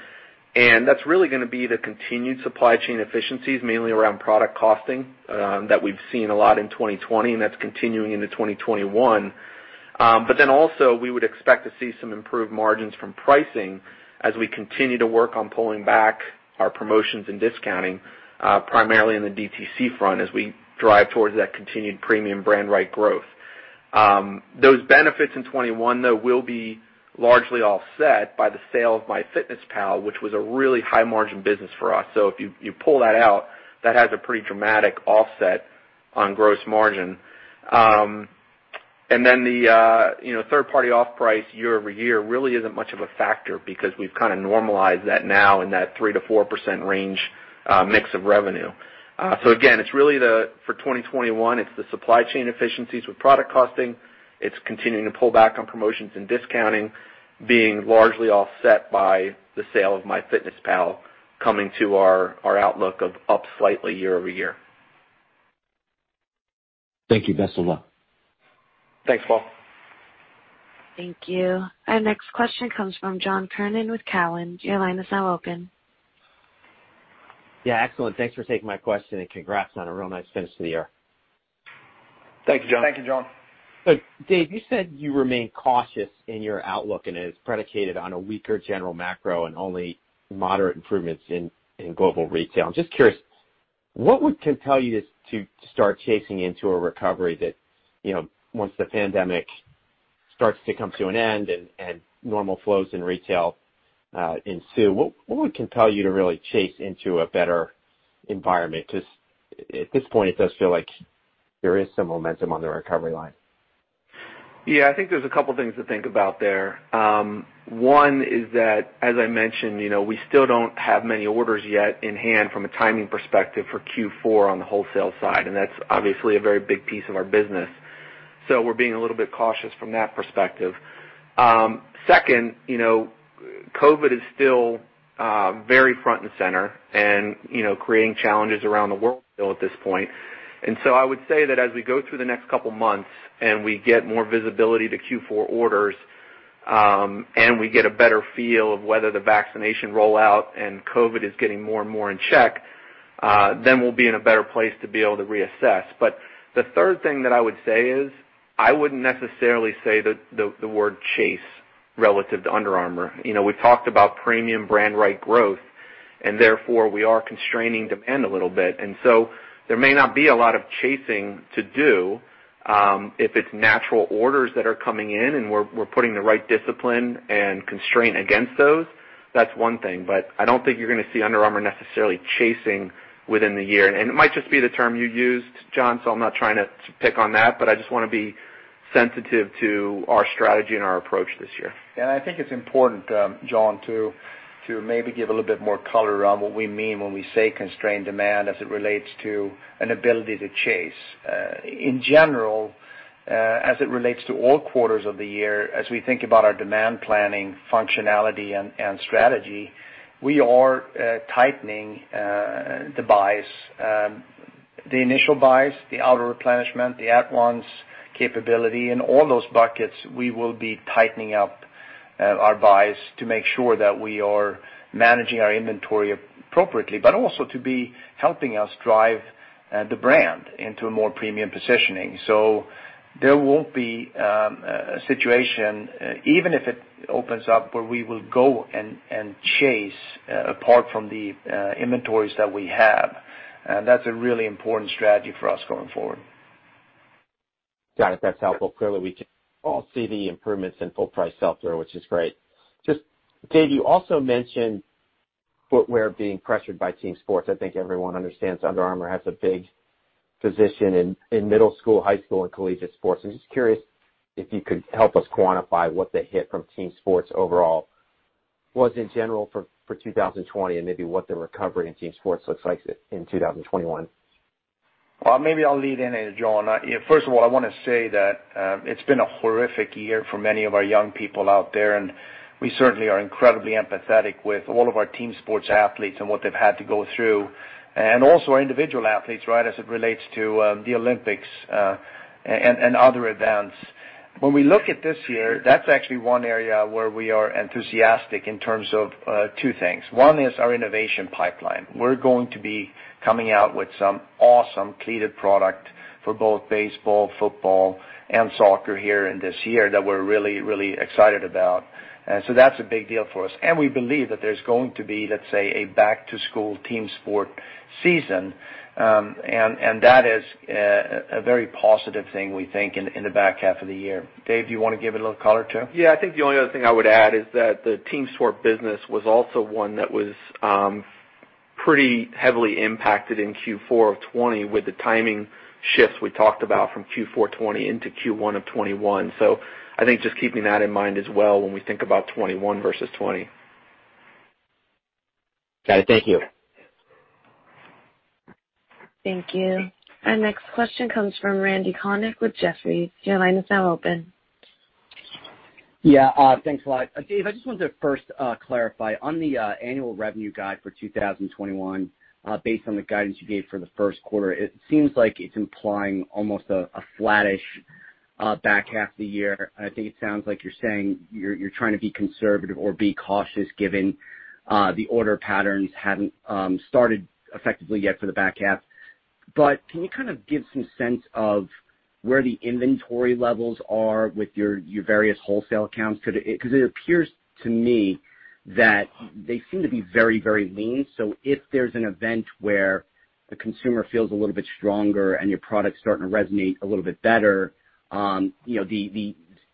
and that's really gonna be the continued supply chain efficiencies, mainly around product costing, that we've seen a lot in 2020, and that's continuing into 2021. Also, we would expect to see some improved margins from pricing as we continue to work on pulling back our promotions and discounting, primarily in the DTC front as we drive towards that continued premium brand right growth. Those benefits in 2021, though, will be largely offset by the sale of MyFitnessPal, which was a really high margin business for us. If you pull that out, that has a pretty dramatic offset on gross margin. The third party off-price YoY really isn't much of a factor because we've kind of normalized that now in that 3%-4% range mix of revenue. Again, it's really for 2021, it's the supply chain efficiencies with product costing. It's continuing to pull back on promotions and discounting being largely offset by the sale of MyFitnessPal coming to our outlook of up slightly YoY. Thank you. Best of luck. Thanks, Paul. Thank you. Our next question comes from John Kernan with Cowen. Your line is now open. Yeah, excellent. Thanks for taking my question and congrats on a real nice finish to the year. Thank you, John. Thank you, John. Dave, you said you remain cautious in your outlook, and it is predicated on a weaker general macro and only moderate improvements in global retail. I'm just curious, what would compel you to start chasing into a recovery that once the pandemic starts to come to an end and normal flows in retail ensue, what would compel you to really chase into a better environment? At this point it does feel like there is some momentum on the recovery line. Yeah, I think there's a couple things to think about there. One is that, as I mentioned, we still don't have many orders yet in hand from a timing perspective for Q4 on the wholesale side, and that's obviously a very big piece of our business. We're being a little bit cautious from that perspective. Second, COVID is still very front and center and creating challenges around the world still at this point. I would say that as we go through the next couple of months and we get more visibility to Q4 orders, and we get a better feel of whether the vaccination rollout and COVID is getting more and more in check, then we'll be in a better place to be able to reassess. The third thing that I would say is, I wouldn't necessarily say the word chase relative to Under Armour. We've talked about premium brand right growth, therefore we are constraining demand a little bit. There may not be a lot of chasing to do. If it's natural orders that are coming in and we're putting the right discipline and constraint against those, that's one thing. I don't think you're gonna see Under Armour necessarily chasing within the year. It might just be the term you used, John, so I'm not trying to pick on that, but I just want to be sensitive to our strategy and our approach this year. I think it's important, John, to maybe give a little bit more color around what we mean when we say constrained demand as it relates to an ability to chase. In general, as it relates to all quarters of the year, as we think about our demand planning functionality and strategy, we are tightening the buys. The initial buys, the auto replenishment, the at-once capability, and all those buckets, we will be tightening up our buys to make sure that we are managing our inventory appropriately, but also to be helping us drive the brand into a more premium positioning. There won't be a situation, even if it opens up, where we will go and chase, apart from the inventories that we have. That's a really important strategy for us going forward. Got it. That's helpful. Clearly, we can all see the improvements in full price sell-through, which is great. Dave, you also mentioned footwear being pressured by team sports. I think everyone understands Under Armour has a big position in middle school, high school, and collegiate sports. I'm just curious if you could help us quantify what the hit from team sports overall was in general for 2020 and maybe what the recovery in team sports looks like in 2021. Maybe I'll lead in here, John. First of all, I want to say that it's been a horrific year for many of our young people out there, and we certainly are incredibly empathetic with all of our team sports athletes and what they've had to go through, and also our individual athletes, as it relates to the Olympics and other events. When we look at this year, that's actually one area where we are enthusiastic in terms of two things. One is our innovation pipeline. We're going to be coming out with some awesome cleated product for both baseball, football, and soccer here in this year that we're really excited about. That's a big deal for us. We believe that there's going to be, let's say, a back-to-school team sport season, and that is a very positive thing, we think, in the back half of the year. Dave, do you want to give it a little color, too? Yeah, I think the only other thing I would add is that the team sport business was also one that was pretty heavily impacted in Q4 of 2020 with the timing shifts we talked about from Q4 2020 into Q1 of 2021. I think just keeping that in mind as well when we think about 2021 versus 2020. Got it. Thank you. Thank you. Our next question comes from Randy Konik with Jefferies. Your line is now open. Thanks a lot. Dave, I just wanted to first clarify on the annual revenue guide for 2021, based on the guidance you gave for the first quarter, it seems like it's implying almost a flattish back half of the year. I think it sounds like you're saying you're trying to be conservative or be cautious given the order patterns hadn't started effectively yet for the back half. Can you kind of give some sense of where the inventory levels are with your various wholesale accounts? Because it appears to me that they seem to be very, very lean. If there's an event where the consumer feels a little bit stronger and your product's starting to resonate a little bit better,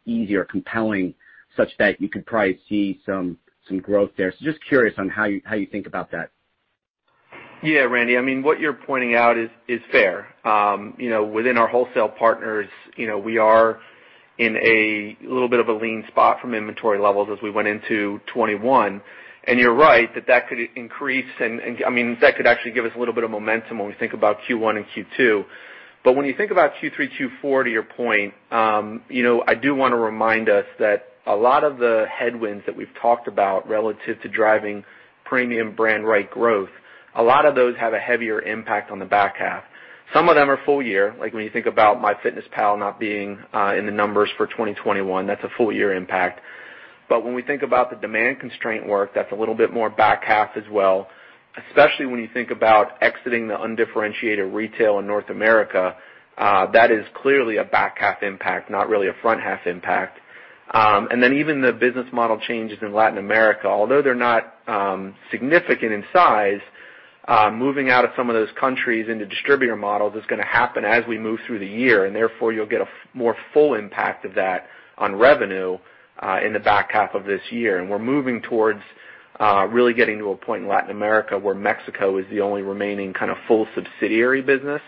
easier, compelling, such that you could probably see some growth there. Just curious on how you think about that. Yeah, Randy. What you're pointing out is fair. Within our wholesale partners, we are in a little bit of a lean spot from inventory levels as we went into 2021. You're right, that that could increase and that could actually give us a little bit of momentum when we think about Q1 and Q2. When you think about Q3, Q4, to your point, I do want to remind us that a lot of the headwinds that we've talked about relative to driving premium brand right growth, a lot of those have a heavier impact on the back half. Some of them are full year, like when you think about MyFitnessPal not being in the numbers for 2021. That's a full year impact. When we think about the demand constraint work, that's a little bit more back half as well, especially when you think about exiting the undifferentiated retail in North America. That is clearly a back half impact, not really a front half impact. Even the business model changes in Latin America, although they're not significant in size, moving out of some of those countries into distributor models is going to happen as we move through the year, and therefore, you'll get a more full impact of that on revenue, in the back half of this year. We're moving towards really getting to a point in Latin America where Mexico is the only remaining full subsidiary business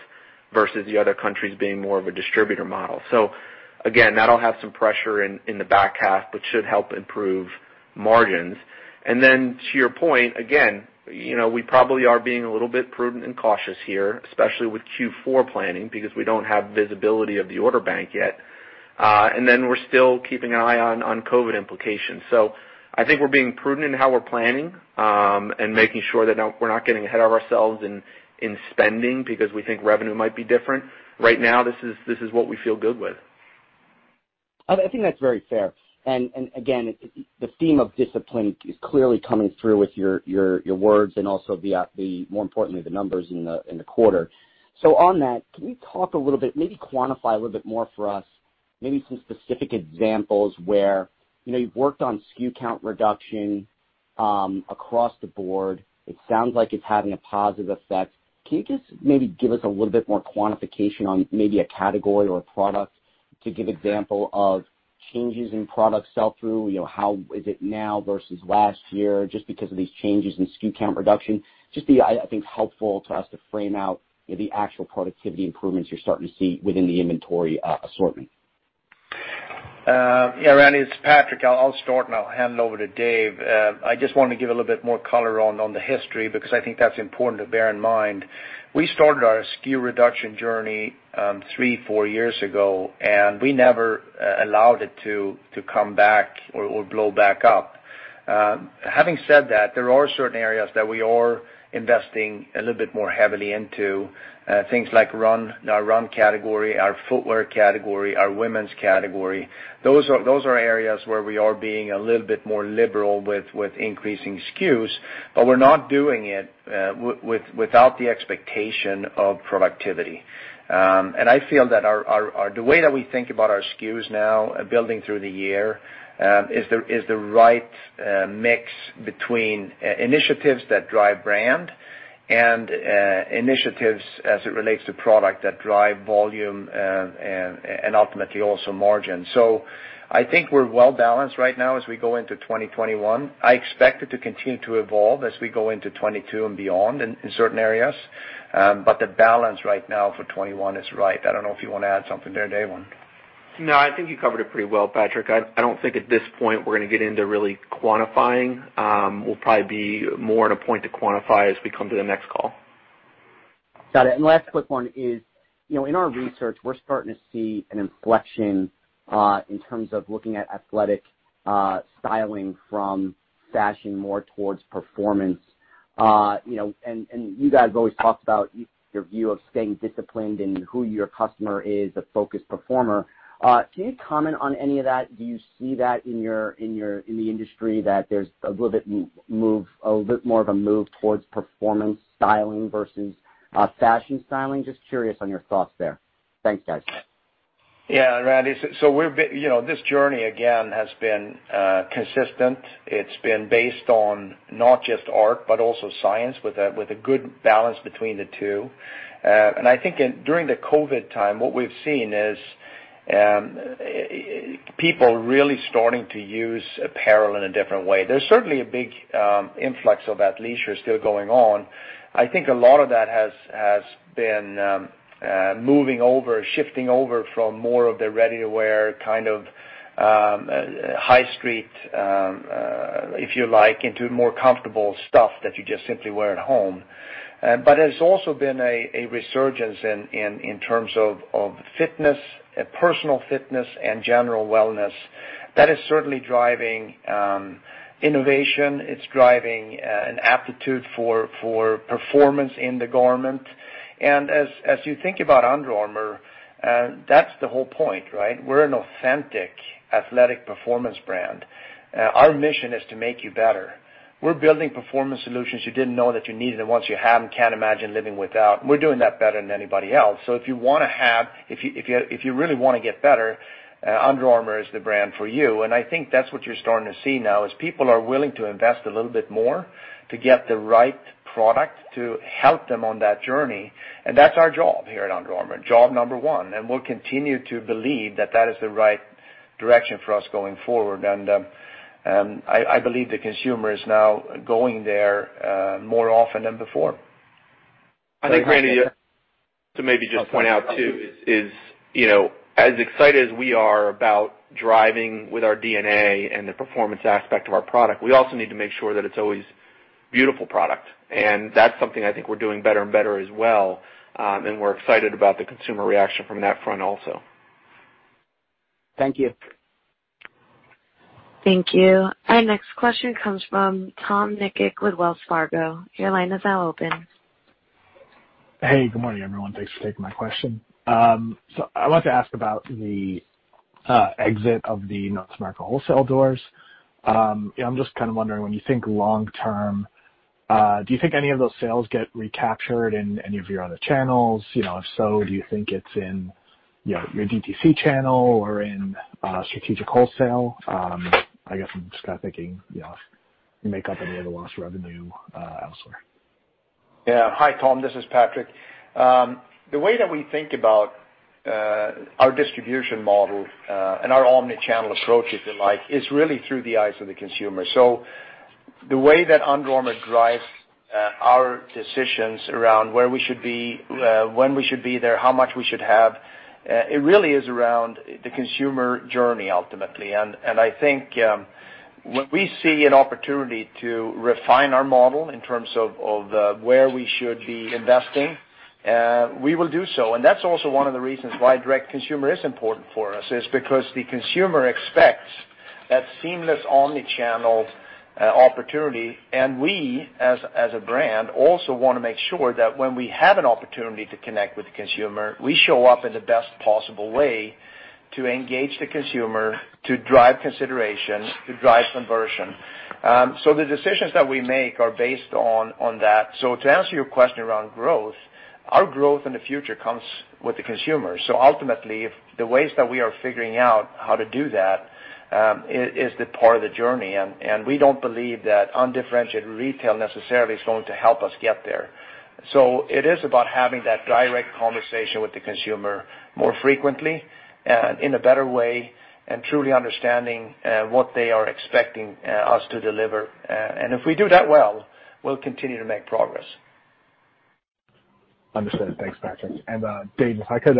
versus the other countries being more of a distributor model. Again, that'll have some pressure in the back half, but should help improve margins. To your point, again, we probably are being a little bit prudent and cautious here, especially with Q4 planning, because we don't have visibility of the order bank yet. We're still keeping an eye on COVID implications. I think we're being prudent in how we're planning, and making sure that we're not getting ahead of ourselves in spending because we think revenue might be different. Right now, this is what we feel good with. I think that's very fair. Again, the theme of discipline is clearly coming through with your words and also more importantly, the numbers in the quarter. On that, can we talk a little bit, maybe quantify a little bit more for us, maybe some specific examples where you've worked on SKU count reduction across the board. It sounds like it's having a positive effect. Can you just maybe give us a little bit more quantification on maybe a category or a product to give example of changes in product sell-through, how is it now versus last year, just because of these changes in SKU count reduction? I think, helpful to us to frame out the actual productivity improvements you're starting to see within the inventory assortment. Yeah, Randy, it's Patrik. I'll start and I'll hand it over to Dave. I just want to give a little bit more color on the history, because I think that's important to bear in mind. We started our SKU reduction journey, three, four years ago, and we never allowed it to come back or blow back up. Having said that, there are certain areas that we are investing a little bit more heavily into. Things like our run category, our footwear category, our women's category. Those are areas where we are being a little bit more liberal with increasing SKUs, but we're not doing it without the expectation of productivity. I feel that the way that we think about our SKUs now, building through the year, is the right mix between initiatives that drive brand and initiatives as it relates to product that drive volume, and ultimately also margin. I think we're well-balanced right now as we go into 2021. I expect it to continue to evolve as we go into 2022 and beyond in certain areas. The balance right now for 2021 is right. I don't know if you want to add something there, Dave, or no? No, I think you covered it pretty well, Patrik. I don't think at this point we're gonna get into really quantifying. We'll probably be more at a point to quantify as we come to the next call. Got it. Last quick one is, in our research, we're starting to see an inflection in terms of looking at athletic styling from fashion more towards performance. You guys have always talked about your view of staying disciplined in who your customer is, a focused performer. Can you comment on any of that? Do you see that in the industry that there's a little bit more of a move towards performance styling versus fashion styling? Just curious on your thoughts there. Thanks, guys. Randy. This journey, again, has been consistent. It's been based on not just art, but also science, with a good balance between the two. I think during the COVID time, what we've seen is people really starting to use apparel in a different way. There's certainly a big influx of athleisure still going on. I think a lot of that has been moving over, shifting over from more of the ready-to-wear, high street, if you like, into more comfortable stuff that you just simply wear at home. There's also been a resurgence in terms of fitness, personal fitness and general wellness. That is certainly driving innovation. It's driving an aptitude for performance in the garment. As you think about Under Armour, that's the whole point, right? We're an authentic athletic performance brand. Our mission is to make you better. We're building performance solutions you didn't know that you needed, and once you have them, can't imagine living without. We're doing that better than anybody else. If you really wanna get better, Under Armour is the brand for you. I think that's what you're starting to see now, is people are willing to invest a little bit more to get the right product to help them on that journey, and that's our job here at Under Armour, job number one, and we'll continue to believe that that is the right direction for us going forward. I believe the consumer is now going there more often than before. I think, Randy, to maybe just point out, too, is as excited as we are about driving with our DNA and the performance aspect of our product, we also need to make sure that it's always beautiful product. That's something I think we're doing better and better as well, and we're excited about the consumer reaction from that front also. Thank you. Thank you. Our next question comes from Tom Nikic with Wells Fargo. Your line is now open. Hey, good morning, everyone. Thanks for taking my question. I wanted to ask about the exit of the North America wholesale doors. I'm just kind of wondering, when you think long term, do you think any of those sales get recaptured in any of your other channels? If so, do you think it's in your DTC channel or in strategic wholesale? I guess I'm just kind of thinking, make up any of the lost revenue elsewhere. Yeah. Hi, Tom. This is Patrik. The way that we think about our distribution model, and our omni-channel approach, if you like, is really through the eyes of the consumer. The way that Under Armour drives our decisions around where we should be, when we should be there, how much we should have, it really is around the consumer journey, ultimately. I think when we see an opportunity to refine our model in terms of where we should be investing, we will do so. That's also one of the reasons why direct to consumer is important for us, is because the consumer expects that seamless omni-channel opportunity. We, as a brand, also wanna make sure that when we have an opportunity to connect with the consumer, we show up in the best possible way to engage the consumer, to drive consideration, to drive conversion. The decisions that we make are based on that. To answer your question around growth, our growth in the future comes with the consumer. Ultimately, the ways that we are figuring out how to do that is the part of the journey, and we don't believe that undifferentiated retail necessarily is going to help us get there. It is about having that direct conversation with the consumer more frequently and in a better way, and truly understanding what they are expecting us to deliver. If we do that well, we'll continue to make progress. Understood. Thanks, Patrik. Dave, if I could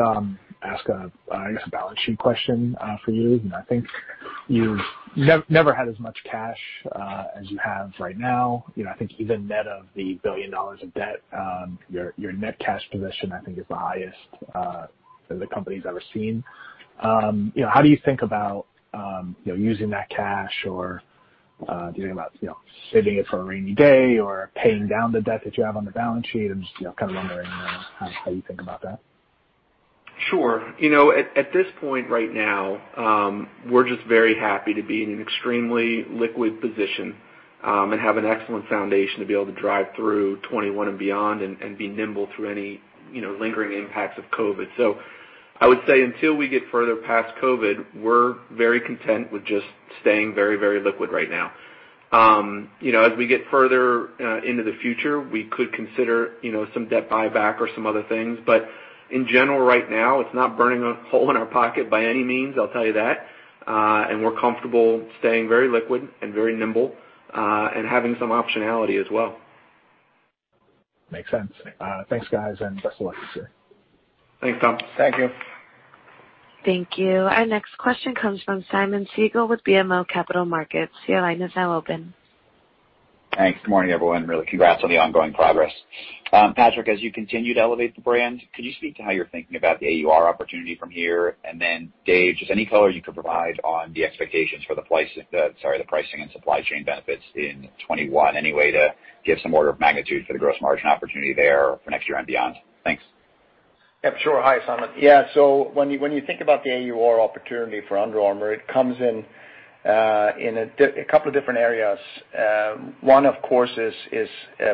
ask a balance sheet question for you. I think you've never had as much cash as you have right now. I think even net of the $1 billion of debt, your net cash position, I think is the highest the company's ever seen. How do you think about using that cash or do you think about saving it for a rainy day or paying down the debt that you have on the balance sheet? I'm just wondering how you think about that. Sure. At this point right now, we're just very happy to be in an extremely liquid position, and have an excellent foundation to be able to drive through 2021 and beyond and be nimble through any lingering impacts of COVID. I would say until we get further past COVID, we're very content with just staying very liquid right now. As we get further into the future, we could consider some debt buyback or some other things. In general, right now, it's not burning a hole in our pocket by any means, I'll tell you that. We're comfortable staying very liquid and very nimble, and having some optionality as well. Makes sense. Thanks, guys, and best of luck this year. Thanks, Tom. Thank you. Thank you. Our next question comes from Simeon Siegel with BMO Capital Markets. Your line is now open. Thanks. Good morning, everyone. Really congrats on the ongoing progress. Patrik, as you continue to elevate the brand, could you speak to how you're thinking about the AUR opportunity from here? Then Dave, just any color you could provide on the expectations for the pricing and supply chain benefits in 2021, any way to give some order of magnitude for the gross margin opportunity there for next year and beyond? Thanks. Yeah, sure. Hi, Simeon. Yeah. When you think about the AUR opportunity for Under Armour, it comes in a couple of different areas. One, of course, is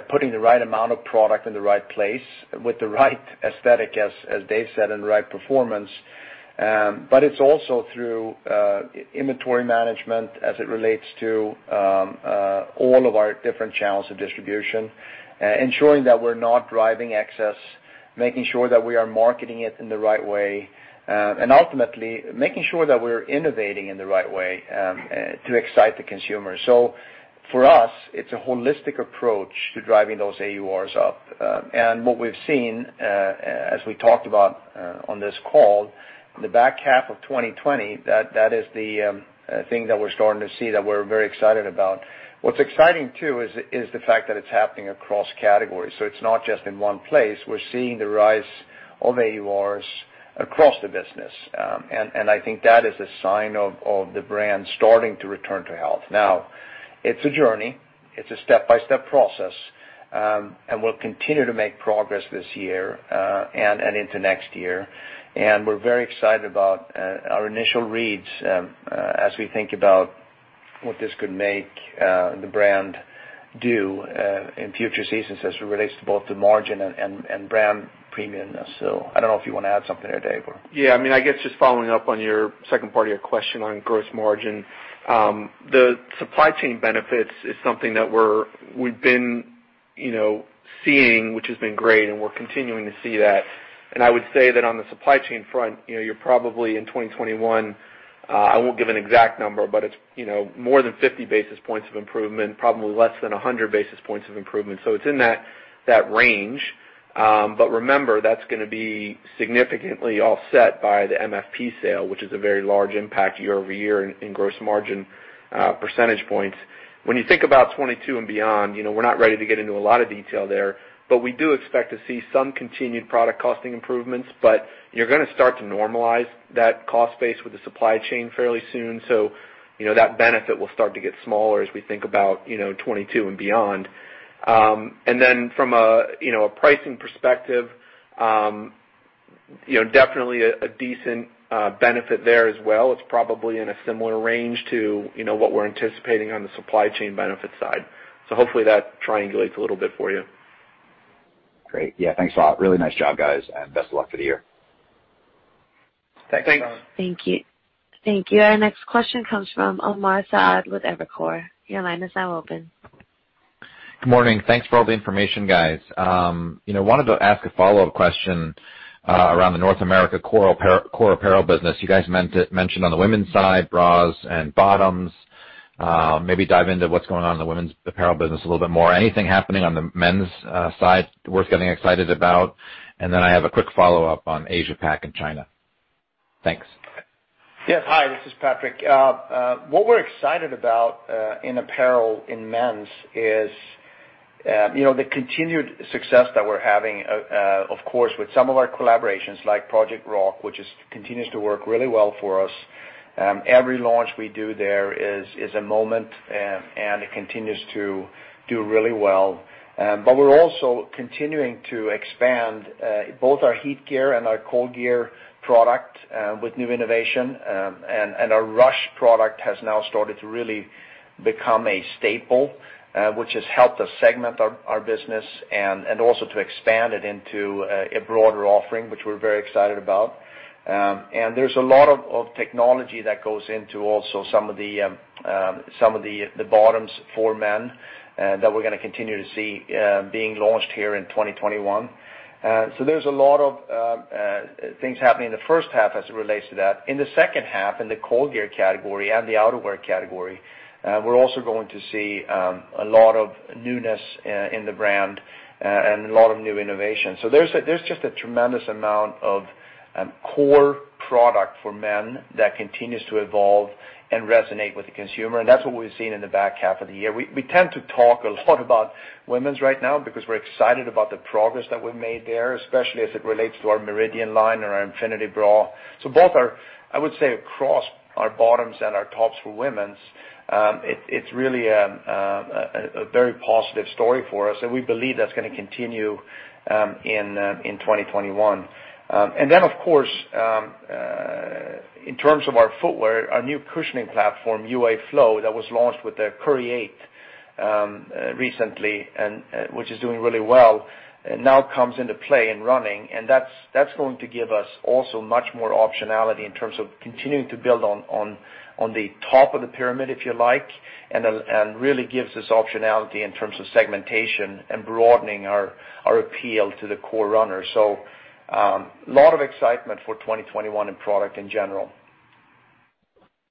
putting the right amount of product in the right place with the right aesthetic, as Dave said, and the right performance. It's also through inventory management as it relates to all of our different channels of distribution, ensuring that we're not driving excess, making sure that we are marketing it in the right way, and ultimately making sure that we're innovating in the right way to excite the consumer. For us, it's a holistic approach to driving those AURs up. What we've seen, as we talked about on this call, the back half of 2020, that is the thing that we're starting to see that we're very excited about. What's exciting, too, is the fact that it's happening across categories. It's not just in one place. We're seeing the rise of AURs across the business. I think that is a sign of the brand starting to return to health. Now, it's a journey. It's a step-by-step process. We'll continue to make progress this year, and into next year. We're very excited about our initial reads as we think about what this could make the brand do in future seasons as it relates to both the margin and brand premiumness. I don't know if you want to add something there, Dave. Yeah, I guess just following up on your second part of your question on gross margin. The supply chain benefits is something that we've been seeing, which has been great, and we're continuing to see that. I would say that on the supply chain front, you're probably in 2021, I won't give an exact number, but it's more than 50 basis points of improvement, probably less than 100 basis points of improvement. It's in that range. Remember, that's gonna be significantly offset by the MFP sale, which is a very large impact YoY in gross margin percentage points. When you think about 2022 and beyond, we're not ready to get into a lot of detail there, but we do expect to see some continued product costing improvements, but you're gonna start to normalize that cost base with the supply chain fairly soon. That benefit will start to get smaller as we think about 2022 and beyond. From a pricing perspective, definitely a decent benefit there as well. It's probably in a similar range to what we're anticipating on the supply chain benefit side. Hopefully that triangulates a little bit for you. Great. Yeah, thanks a lot. Really nice job, guys, and best of luck for the year. Thanks, Simeon. Thanks. Thank you. Our next question comes from Omar Saad with Evercore. Your line is now open. Good morning. Thanks for all the information, guys. Wanted to ask a follow-up question around the North America core apparel business. You guys mentioned on the women's side, bras and bottoms. Maybe dive into what's going on in the women's apparel business a little bit more. Anything happening on the men's side worth getting excited about? I have a quick follow-up on Asia Pac and China. Thanks. Yes. Hi, this is Patrik. What we're excited about in apparel in men's is the continued success that we're having, of course, with some of our collaborations like Project Rock, which continues to work really well for us. Every launch we do there is a moment, and it continues to do really well. But we're also continuing to expand both our HeatGear and our ColdGear product with new innovation. Our RUSH product has now started to really become a staple, which has helped us segment our business and also to expand it into a broader offering, which we're very excited about. There's a lot of technology that goes into also some of the bottoms for men that we're going to continue to see being launched here in 2021. There's a lot of things happening in the first half as it relates to that. In the second half, in the ColdGear category and the outerwear category, we're also going to see a lot of newness in the brand and a lot of new innovation. There's just a tremendous amount of core product for men that continues to evolve and resonate with the consumer. That's what we've seen in the back half of the year. We tend to talk a lot about women's right now because we're excited about the progress that we've made there, especially as it relates to our Meridian line and our Infinity Bra. Both are, I would say, across our bottoms and our tops for women's, it's really a very positive story for us, and we believe that's going to continue in 2021. Then, of course, in terms of our footwear, our new cushioning platform, UA Flow, that was launched with the Curry 8 recently, which is doing really well, now comes into play in running. That's going to give us also much more optionality in terms of continuing to build on the top of the pyramid, if you like, and really gives us optionality in terms of segmentation and broadening our appeal to the core runner. A lot of excitement for 2021 in product in general.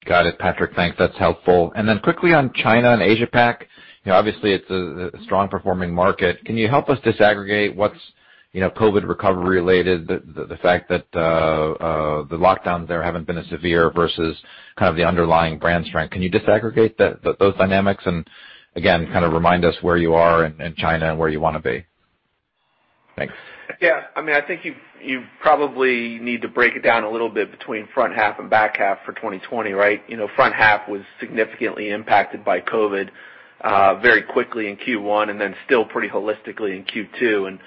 Got it, Patrik. Thanks. That's helpful. Quickly on China and Asia Pac, obviously, it's a strong performing market. Can you help us disaggregate what's COVID recovery related? The fact that the lockdowns there haven't been as severe versus the underlying brand strength. Can you disaggregate those dynamics? Again, remind us where you are in China and where you want to be. Thanks. Yeah. I think you probably need to break it down a little bit between front half and back half for 2020, right? Front half was significantly impacted by COVID very quickly in Q1 and then still pretty holistically in Q2.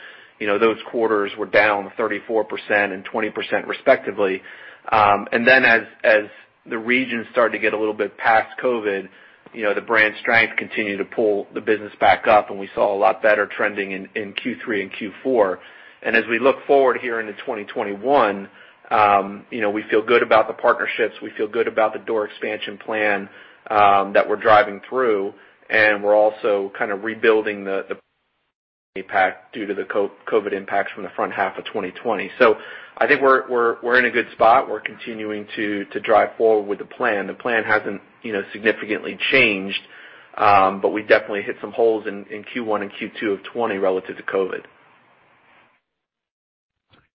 Those quarters were down 34% and 20% respectively. As the region started to get a little bit past COVID, the brand strength continued to pull the business back up, and we saw a lot better trending in Q3 and Q4. As we look forward here into 2021, we feel good about the partnerships. We feel good about the door expansion plan that we're driving through. We're also rebuilding APAC due to the COVID impacts from the front half of 2020. I think we're in a good spot. We're continuing to drive forward with the plan. The plan hasn't significantly changed, but we definitely hit some holes in Q1 and Q2 of 2020 relative to COVID.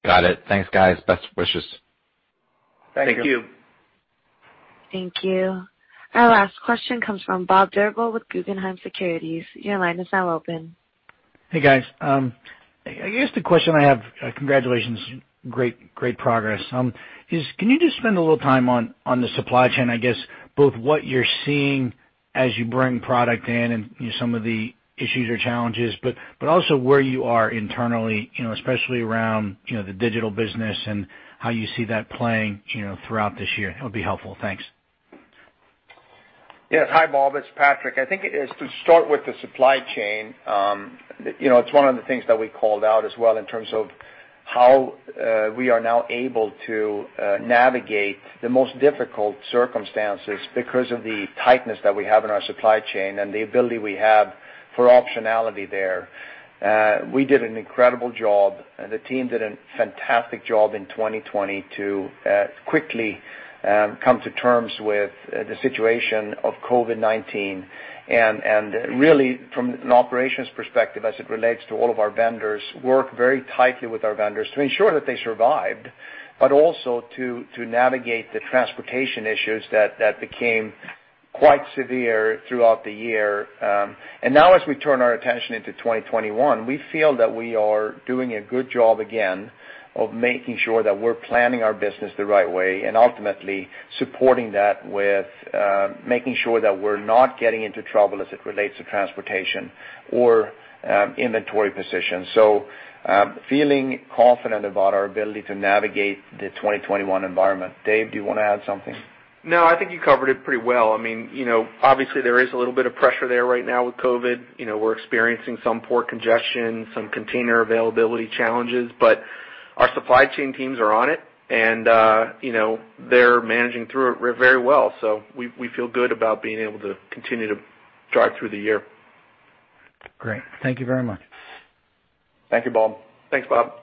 Got it. Thanks, guys. Best wishes. Thank you. Thank you. Thank you. Our last question comes from Bob Drbul with Guggenheim Securities. Your line is now open. Hey, guys. I guess the question I have, congratulations, great progress, is can you just spend a little time on the supply chain, I guess both what you're seeing as you bring product in and some of the issues or challenges, also where you are internally, especially around the digital business and how you see that playing throughout this year. It'll be helpful. Thanks. Yes. Hi, Bob. It's Patrik. I think it is to start with the supply chain. It's one of the things that we called out as well in terms of how we are now able to navigate the most difficult circumstances because of the tightness that we have in our supply chain and the ability we have for optionality there. We did an incredible job. The team did a fantastic job in 2020 to quickly come to terms with the situation of COVID-19 and really, from an operations perspective, as it relates to all of our vendors, work very tightly with our vendors to ensure that they survived, but also to navigate the transportation issues that became quite severe throughout the year. Now as we turn our attention into 2021, we feel that we are doing a good job again of making sure that we're planning our business the right way and ultimately supporting that with making sure that we're not getting into trouble as it relates to transportation or inventory position. Feeling confident about our ability to navigate the 2021 environment. Dave, do you want to add something? No, I think you covered it pretty well. Obviously, there is a little bit of pressure there right now with COVID. We're experiencing some port congestion, some container availability challenges, but our supply chain teams are on it, and they're managing through it very well. We feel good about being able to continue to drive through the year. Great. Thank you very much. Thank you, Bob. Thanks, Bob.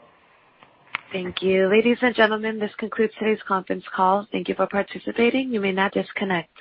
Thank you. Ladies and gentlemen, this concludes today's conference call. Thank you for participating. You may now disconnect.